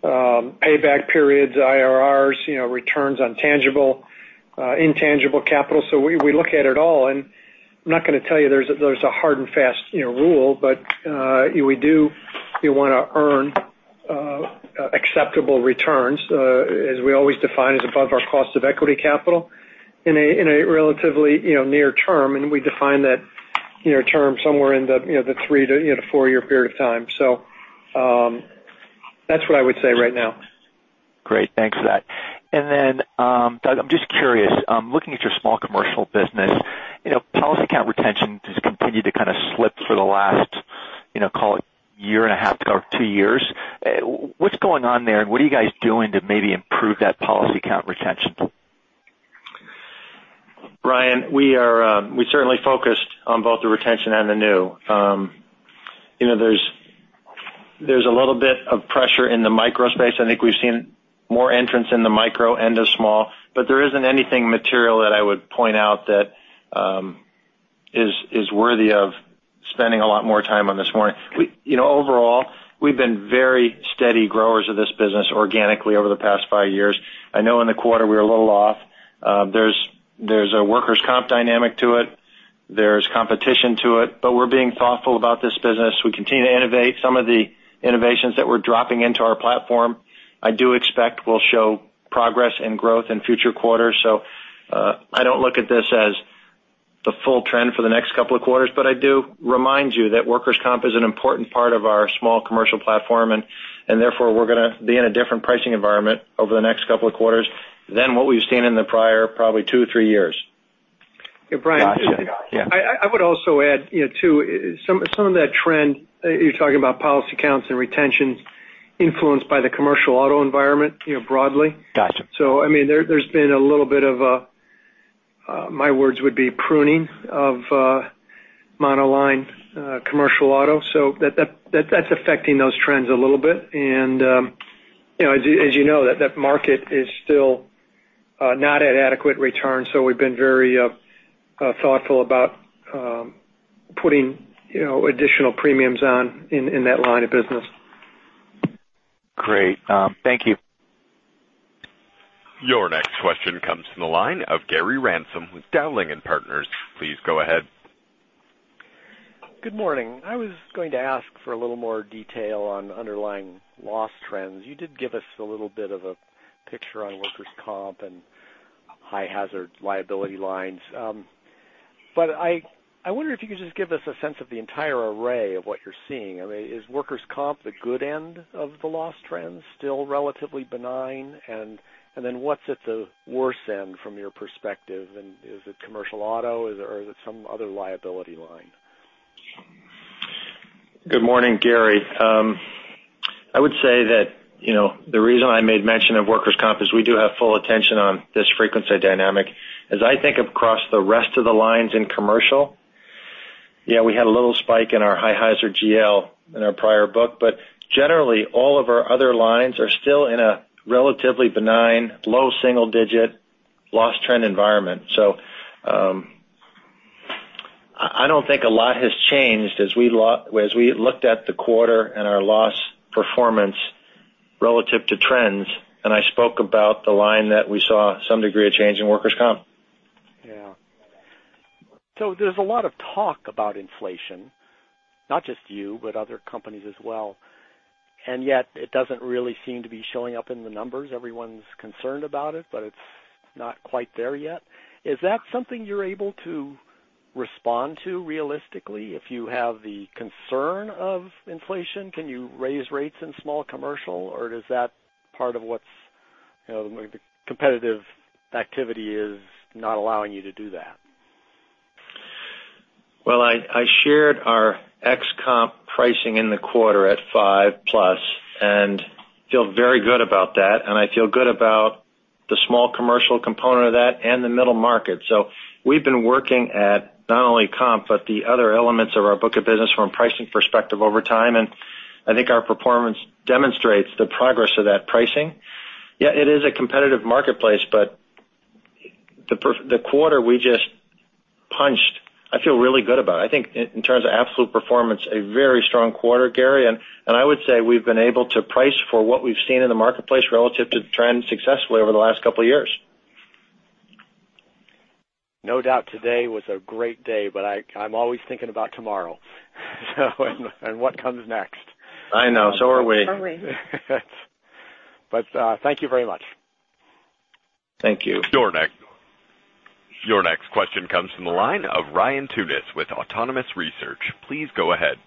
S3: payback periods, IRRs, returns on intangible capital. We look at it all, and I'm not going to tell you there's a hard and fast rule, but we do want to earn acceptable returns, as we always define, is above our cost of equity capital in a relatively near term, and we define that term somewhere in the 3 to 4-year period of time. That's what I would say right now.
S10: Great. Thanks for that. Doug, I'm just curious, looking at your small Commercial Lines business, policy count retention has continued to slip for the last call it a year and a half to two years. What's going on there, and what are you guys doing to maybe improve that policy count retention?
S4: Brian, we certainly focused on both the retention and the new. There's a little bit of pressure in the micro space. I think we've seen more entrants in the micro and the small, there isn't anything material that I would point out that is worthy of spending a lot more time on this morning. Overall, we've been very steady growers of this business organically over the past five years. I know in the quarter we're a little off. There's a workers' comp dynamic to it. There's competition to it. We're being thoughtful about this business. We continue to innovate. Some of the innovations that we're dropping into our platform I do expect will show progress and growth in future quarters. I don't look at this as the full trend for the next couple of quarters, I do remind you that workers' comp is an important part of our small Commercial Lines platform, therefore, we're going to be in a different pricing environment over the next couple of quarters than what we've seen in the prior probably two or three years.
S10: Got you. Yeah.
S3: Brian, I would also add too, some of that trend, you're talking about policy counts and retention influenced by the commercial auto environment broadly.
S10: Got you.
S3: There's been a little bit of, my words would be pruning of monoline commercial auto. That's affecting those trends a little bit. As you know, that market is still not at adequate return. We've been very thoughtful about putting additional premiums on in that line of business.
S10: Great. Thank you.
S1: Your next question comes from the line of Gary Ransom with Dowling & Partners. Please go ahead.
S11: Good morning. I was going to ask for a little more detail on underlying loss trends. You did give us a little bit of a picture on workers' comp and high hazard liability lines. I wonder if you could just give us a sense of the entire array of what you're seeing. Is workers' comp the good end of the loss trends, still relatively benign? What's at the worse end from your perspective, and is it commercial auto, or is it some other liability line?
S4: Good morning, Gary. I would say that the reason I made mention of workers' comp is we do have full attention on this frequency dynamic. As I think across the rest of the lines in commercial, yeah, we had a little spike in our high hazard GL in our prior book, generally, all of our other lines are still in a relatively benign, low single-digit loss trend environment. I don't think a lot has changed as we looked at the quarter and our loss performance relative to trends, and I spoke about the line that we saw some degree of change in workers' comp.
S11: Yeah. There's a lot of talk about inflation, not just you, but other companies as well. Yet it doesn't really seem to be showing up in the numbers. Everyone's concerned about it's not quite there yet. Is that something you're able to respond to realistically? If you have the concern of inflation, can you raise rates in small commercial, or does that part of what's maybe competitive activity is not allowing you to do that?
S4: I shared our ex-comp pricing in the quarter at 5+ and feel very good about that. I feel good about the small Commercial Lines component of that and the middle market. We've been working at not only comp, but the other elements of our book of business from a pricing perspective over time, and I think our performance demonstrates the progress of that pricing. It is a competitive marketplace, but the quarter we just punched, I feel really good about it. I think in terms of absolute performance, a very strong quarter, Gary, and I would say we've been able to price for what we've seen in the marketplace relative to trends successfully over the last couple of years.
S11: No doubt today was a great day, I'm always thinking about tomorrow and what comes next.
S4: I know. Are we.
S3: Are we.
S11: thank you very much.
S4: Thank you.
S1: Your next question comes from the line of Ryan Tunis with Autonomous Research. Please go ahead.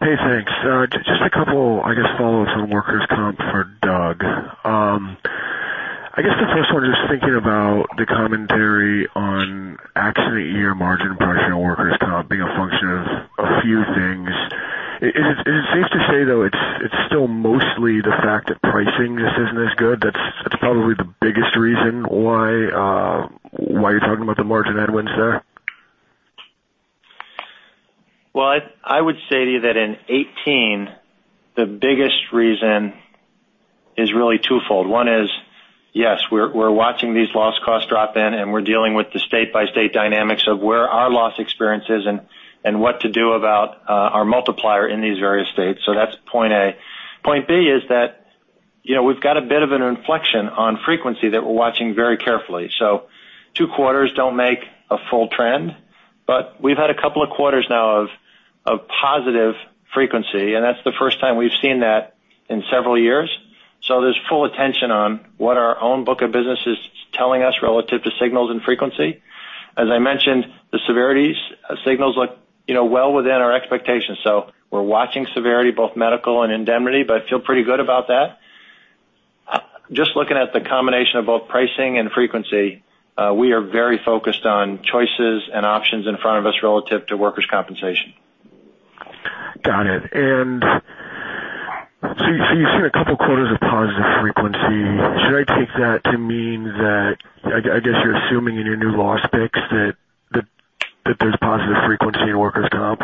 S12: Hey, thanks. Just a couple, I guess, follow-ups on workers' comp for Doug. I guess the first one, just thinking about the commentary on accident year margin compression in workers' comp being a function of a few things. Is it safe to say, though, it's still mostly the fact that pricing just isn't as good? That's probably the biggest reason why you're talking about the margin headwinds there?
S4: Well, I would say to you that in 2018, the biggest reason is really twofold. One is, yes, we're watching these loss costs drop in, and we're dealing with the state-by-state dynamics of where our loss experience is and what to do about our multiplier in these various states. That's point A. Point B is that we've got a bit of an inflection on frequency that we're watching very carefully. Two quarters don't make a full trend, but we've had a couple of quarters now of positive frequency, and that's the first time we've seen that in several years. There's full attention on what our own book of business is telling us relative to signals and frequency. As I mentioned, the severities signals look well within our expectations. We're watching severity, both medical and indemnity, but feel pretty good about that. Just looking at the combination of both pricing and frequency, we are very focused on choices and options in front of us relative to workers' compensation.
S12: Got it. You've seen a couple quarters of positive frequency. Should I take that to mean that, I guess you're assuming in your new loss picks that there's positive frequency in workers' comp?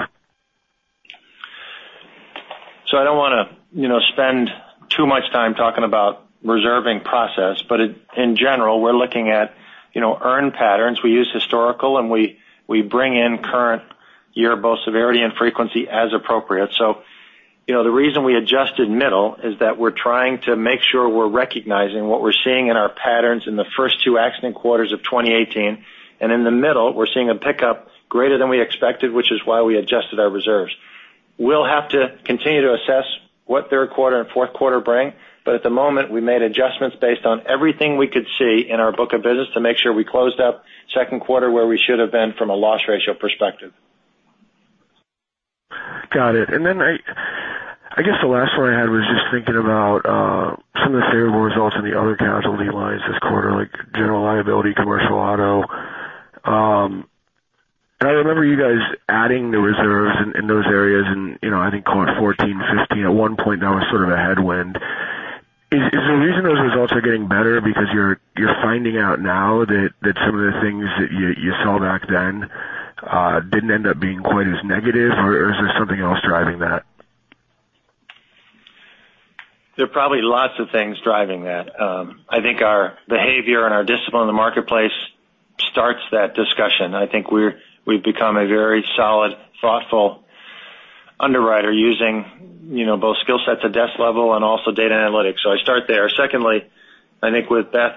S4: I don't want to spend too much time talking about reserving process, but in general, we're looking at earn patterns. We use historical, and we bring in current year, both severity and frequency as appropriate. The reason we adjusted middle is that we're trying to make sure we're recognizing what we're seeing in our patterns in the first two accident quarters of 2018. In the middle, we're seeing a pickup greater than we expected, which is why we adjusted our reserves. We'll have to continue to assess what third quarter and fourth quarter bring. At the moment, we made adjustments based on everything we could see in our book of business to make sure we closed up second quarter where we should have been from a loss ratio perspective.
S12: Got it. I guess the last one I had was just thinking about some of the favorable results in the other casualty lines this quarter, like general liability, commercial auto. I remember you guys adding the reserves in those areas in, I think call it 2014, 2015. At one point, that was sort of a headwind. Is the reason those results are getting better because you're finding out now that some of the things that you saw back then didn't end up being quite as negative, or is there something else driving that?
S4: There are probably lots of things driving that. I think our behavior and our discipline in the marketplace starts that discussion. I think we've become a very solid, thoughtful underwriter using both skill sets at desk level and also data analytics. I start there. Secondly, I think with Beth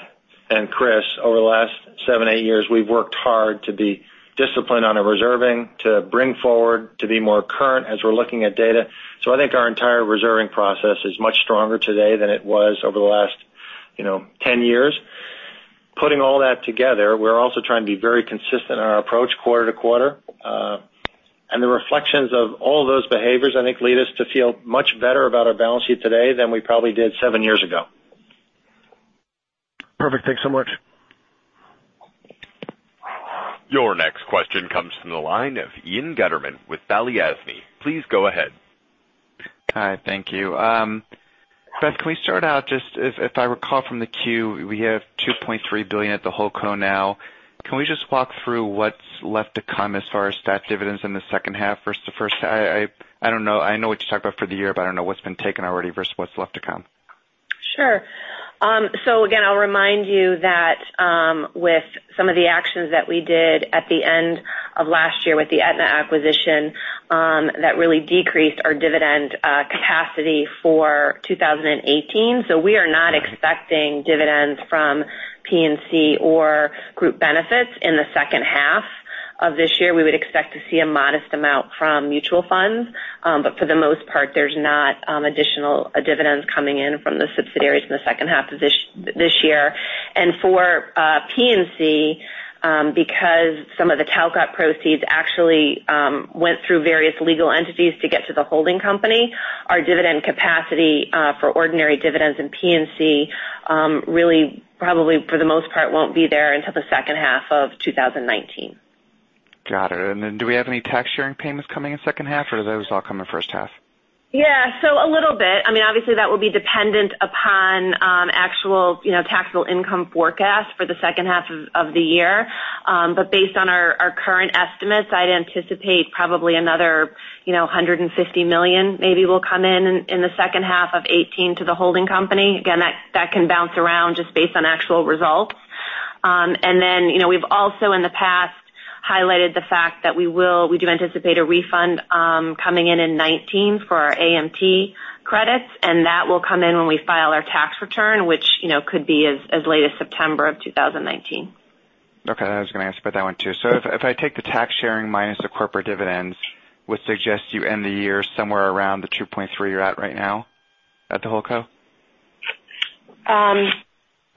S4: and Chris, over the last seven, eight years, we've worked hard to be disciplined on our reserving, to bring forward, to be more current as we're looking at data. I think our entire reserving process is much stronger today than it was over the last 10 years. Putting all that together, we're also trying to be very consistent in our approach quarter to quarter. The reflections of all those behaviors, I think, lead us to feel much better about our balance sheet today than we probably did seven years ago.
S12: Perfect. Thanks so much.
S1: Your next question comes from the line of Ian Gutterman with Balyasny. Please go ahead.
S13: Hi, thank you. Beth, can we start out just, if I recall from the 10-Q, we have $2.3 billion at the whole co now. Can we just walk through what's left to come as far as stat dividends in the second half versus the first? I know what you talked about for the year, but I don't know what's been taken already versus what's left to come.
S5: Sure. Again, I'll remind you that with some of the actions that we did at the end of last year with the Aetna acquisition, that really decreased our dividend capacity for 2018. We are not expecting dividends from P&C or Group Benefits in the second half of this year. We would expect to see a modest amount from Mutual Funds. For the most part, there's not additional dividends coming in from the subsidiaries in the second half of this year. For P&C, because some of the Talcott proceeds actually went through various legal entities to get to the holding company, our dividend capacity for ordinary dividends in P&C really probably, for the most part, won't be there until the second half of 2019.
S13: Got it. Then do we have any tax-sharing payments coming in second half, or do those all come in first half?
S5: Yeah. A little bit. Obviously, that will be dependent upon actual taxable income forecast for the second half of the year. Based on our current estimates, I'd anticipate probably another $150 million maybe will come in in the second half of 2018 to the holding company. Again, that can bounce around just based on actual results. Then we've also in the past highlighted the fact that we do anticipate a refund coming in in 2019 for our AMT credits, and that will come in when we file our tax return, which could be as late as September of 2019.
S13: I was going to ask about that one, too. If I take the tax sharing minus the corporate dividends, would suggest you end the year somewhere around the $2.3 you're at right now at the whole co?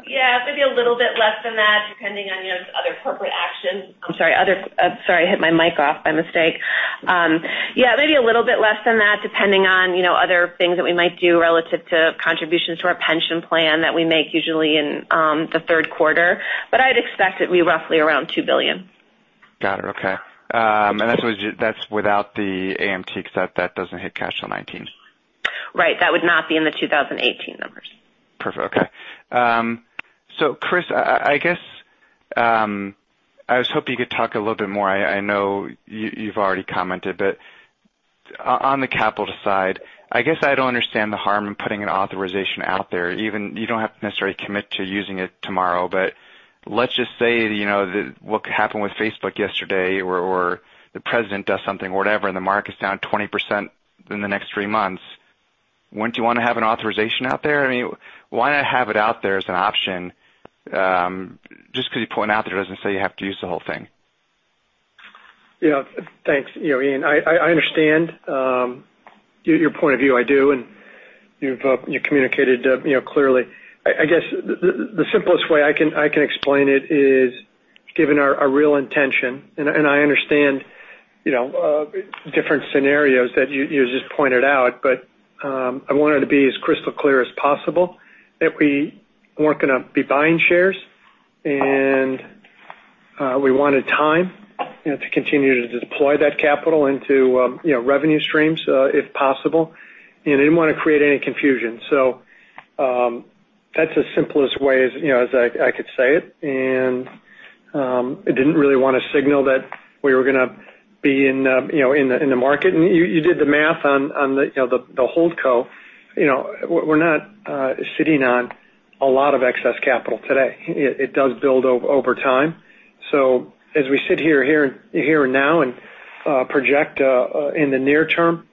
S5: Yeah, maybe a little bit less than that, depending on other corporate actions. I'm sorry, I hit my mic off by mistake. Yeah, maybe a little bit less than that, depending on other things that we might do relative to contributions to our pension plan that we make usually in the third quarter. I'd expect it to be roughly around $2 billion.
S13: Got it. Okay. That's without the AMT, because that doesn't hit cash till 2019.
S5: Right. That would not be in the 2018 numbers.
S13: Perfect. Okay. Chris, I was hoping you could talk a little bit more. I know you've already commented, but on the capital side, I guess I don't understand the harm in putting an authorization out there. You don't have to necessarily commit to using it tomorrow, but let's just say, what could happen with Facebook yesterday, or the president does something or whatever, and the market's down 20% in the next 3 months. Wouldn't you want to have an authorization out there? I mean, why not have it out there as an option? Just because you point out that it doesn't say you have to use the whole thing.
S3: Yeah. Thanks, Ian. I understand your point of view, I do, and you communicated clearly. I guess the simplest way I can explain it is given our real intention, and I understand different scenarios that you just pointed out, but I wanted to be as crystal clear as possible that we weren't going to be buying shares, and we wanted time to continue to deploy that capital into revenue streams, if possible, and didn't want to create any confusion. That's the simplest way as I could say it. I didn't really want to signal that we were going to be in the market. You did the math on the holdco. We're not sitting on a lot of excess capital today. It does build over time. As we sit here and now, and project in the near term,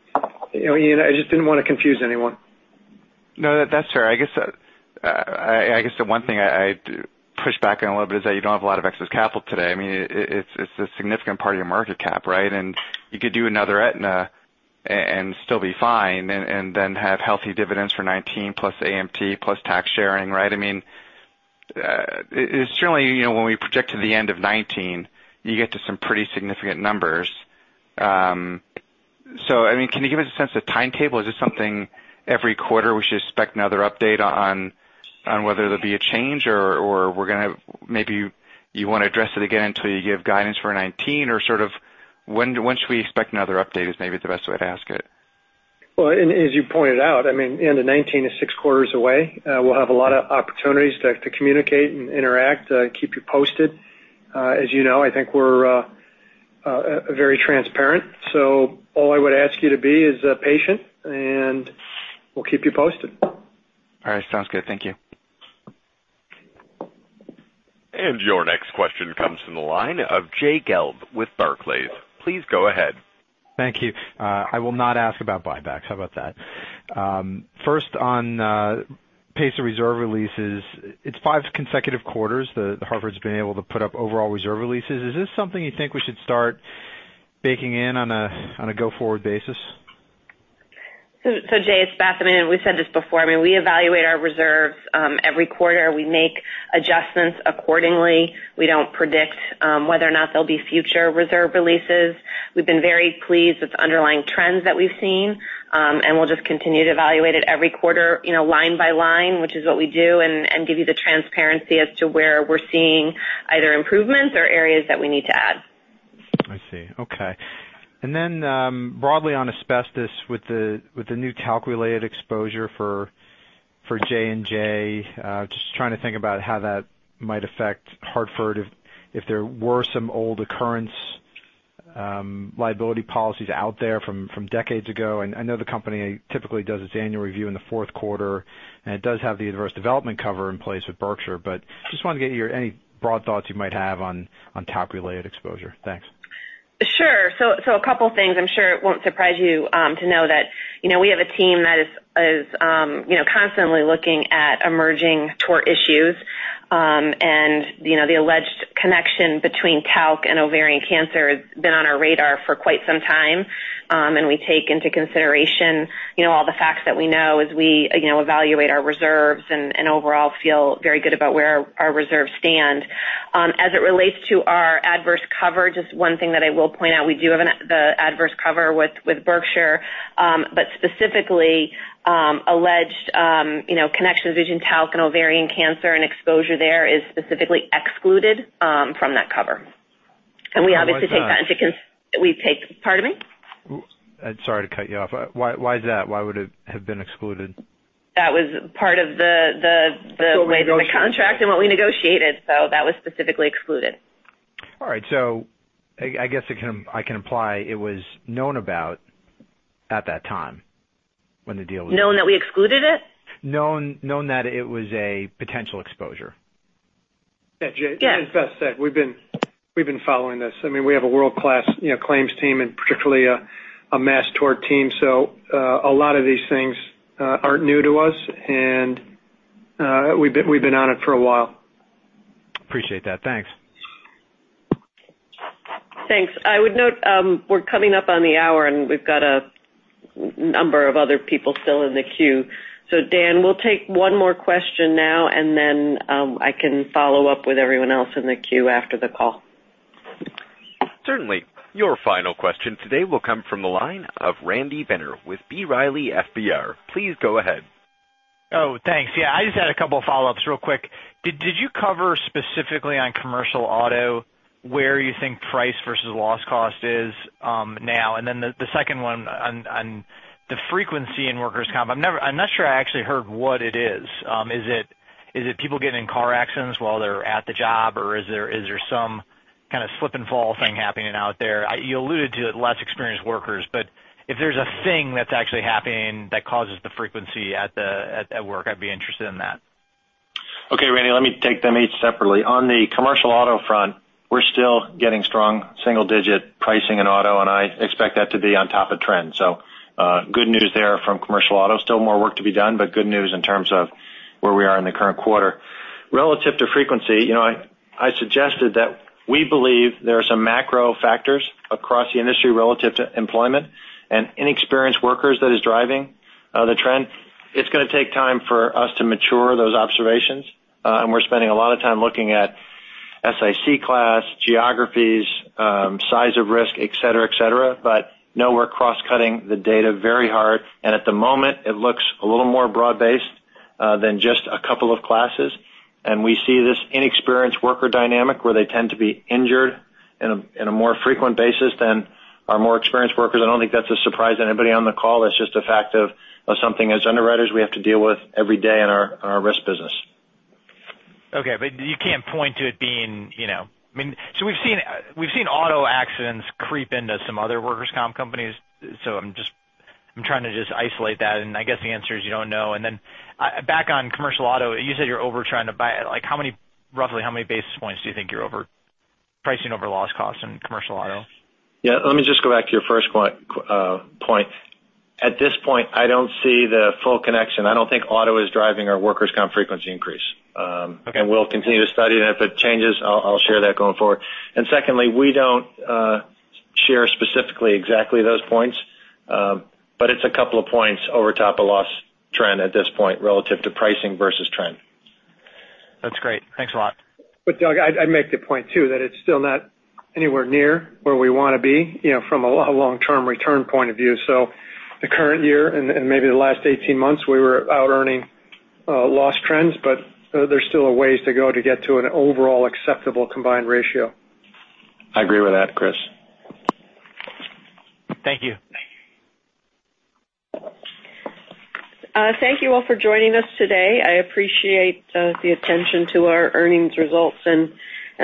S3: Ian, I just didn't want to confuse anyone.
S13: No, that's fair. I guess the one thing I'd push back on a little bit is that you don't have a lot of excess capital today. I mean, it's a significant part of your market cap, right? You could do another Aetna and still be fine, and then have healthy dividends for 2019 plus AMT, plus tax sharing, right? I mean, certainly, when we project to the end of 2019, you get to some pretty significant numbers. I mean, can you give us a sense of timetable? Is this something every quarter we should expect another update on whether there'll be a change, or maybe you want to address it again until you give guidance for 2019? Sort of when should we expect another update, is maybe the best way to ask it.
S3: As you pointed out, I mean, end of 2019 is 6 quarters away. We'll have a lot of opportunities to communicate and interact, keep you posted. As you know, I think we're very transparent. All I would ask you to be is patient, we'll keep you posted.
S13: All right. Sounds good. Thank you.
S1: Your next question comes from the line of Jay Gelb with Barclays. Please go ahead.
S14: Thank you. I will not ask about buybacks. How about that? First on pace of reserve releases, it's five consecutive quarters that The Hartford's been able to put up overall reserve releases. Is this something you think we should start baking in on a go-forward basis?
S5: Jay, it's Beth. I mean, we said this before. I mean, we evaluate our reserves every quarter. We make adjustments accordingly. We don't predict whether or not there'll be future reserve releases. We've been very pleased with the underlying trends that we've seen. We'll just continue to evaluate it every quarter, line by line, which is what we do, and give you the transparency as to where we're seeing either improvements or areas that we need to add.
S14: I see. Okay. Broadly on asbestos with the new talc-related exposure for J&J, just trying to think about how that might affect The Hartford if there were some old occurrence liability policies out there from decades ago. I know the company typically does its annual review in the fourth quarter, it does have the adverse development cover in place with Berkshire, just wanted to get any broad thoughts you might have on talc-related exposure. Thanks.
S5: Sure. A couple of things. I'm sure it won't surprise you to know that we have a team that is constantly looking at emerging tort issues. The alleged connection between talc and ovarian cancer has been on our radar for quite some time. We take into consideration all the facts that we know as we evaluate our reserves, overall feel very good about where our reserves stand. As it relates to our adverse coverage, it's one thing that I will point out, we do have the adverse cover with Berkshire. Specifically, alleged connection between talc and ovarian cancer, exposure there is specifically excluded from that cover. We obviously take that into.
S14: Why is that?
S5: Pardon me?
S14: Sorry to cut you off. Why is that? Why would it have been excluded?
S5: That was part of the way the contract and what we negotiated, that was specifically excluded.
S14: All right. I guess I can imply it was known about at that time when the deal was-
S5: Known that we excluded it?
S14: Known that it was a potential exposure.
S3: Yeah. Jay, as Beth said, we've been following this. I mean, we have a world-class claims team and particularly a mass tort team. A lot of these things aren't new to us, and we've been on it for a while.
S14: Appreciate that. Thanks.
S2: Thanks. I would note, we're coming up on the hour, and we've got a number of other people still in the queue. Dan, we'll take one more question now, and then I can follow up with everyone else in the queue after the call.
S1: Certainly. Your final question today will come from the line of Randy Binner with B. Riley FBR. Please go ahead.
S15: Oh, thanks. I just had a couple of follow-ups real quick. Did you cover specifically on commercial auto where you think price versus loss cost is now? Then the second one on the frequency in workers' comp. I'm not sure I actually heard what it is. Is it people getting in car accidents while they're at the job or is there some kind of slip and fall thing happening out there? You alluded to less experienced workers, but if there's a thing that's actually happening that causes the frequency at work, I'd be interested in that.
S4: Okay, Randy, let me take them each separately. On the commercial auto front, we're still getting strong single-digit pricing in auto, and I expect that to be on top of trend. Good news there from commercial auto. Still more work to be done, but good news in terms of where we are in the current quarter. Relative to frequency, I suggested that we believe there are some macro factors across the industry relative to employment and inexperienced workers that is driving the trend. It's going to take time for us to mature those observations, and we're spending a lot of time looking at SIC class, geographies, size of risk, et cetera. Know we're cross-cutting the data very hard, and at the moment, it looks a little more broad-based than just a couple of classes. We see this inexperienced worker dynamic where they tend to be injured in a more frequent basis than our more experienced workers. I don't think that's a surprise to anybody on the call. That's just a fact of something, as underwriters, we have to deal with every day in our risk business.
S15: Okay. You can't point to it being. We've seen auto accidents creep into some other workers' comp companies. I'm trying to just isolate that, and I guess the answer is you don't know. Then back on commercial auto, you said you're over trying to buy. Roughly how many basis points do you think you're pricing over loss cost in commercial auto?
S4: Yeah. Let me just go back to your first point. At this point, I don't see the full connection. I don't think auto is driving our workers' comp frequency increase.
S15: Okay.
S4: We'll continue to study it, and if it changes, I'll share that going forward. Secondly, we don't share specifically exactly those points. It's a couple of points over top of loss trend at this point relative to pricing versus trend.
S15: That's great. Thanks a lot.
S3: Doug, I'd make the point too, that it's still not anywhere near where we want to be from a long-term return point of view. The current year and maybe the last 18 months, we were out earning loss trends, but there's still a ways to go to get to an overall acceptable combined ratio.
S4: I agree with that, Chris.
S15: Thank you.
S4: Thank you.
S2: Thank you all for joining us today. I appreciate the attention to our earnings results and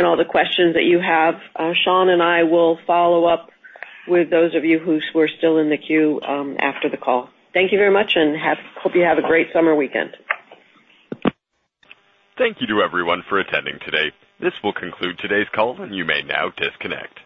S2: all the questions that you have. Sean and I will follow up with those of you who were still in the queue after the call. Thank you very much, and hope you have a great summer weekend.
S1: Thank you to everyone for attending today. This will conclude today's call, and you may now disconnect.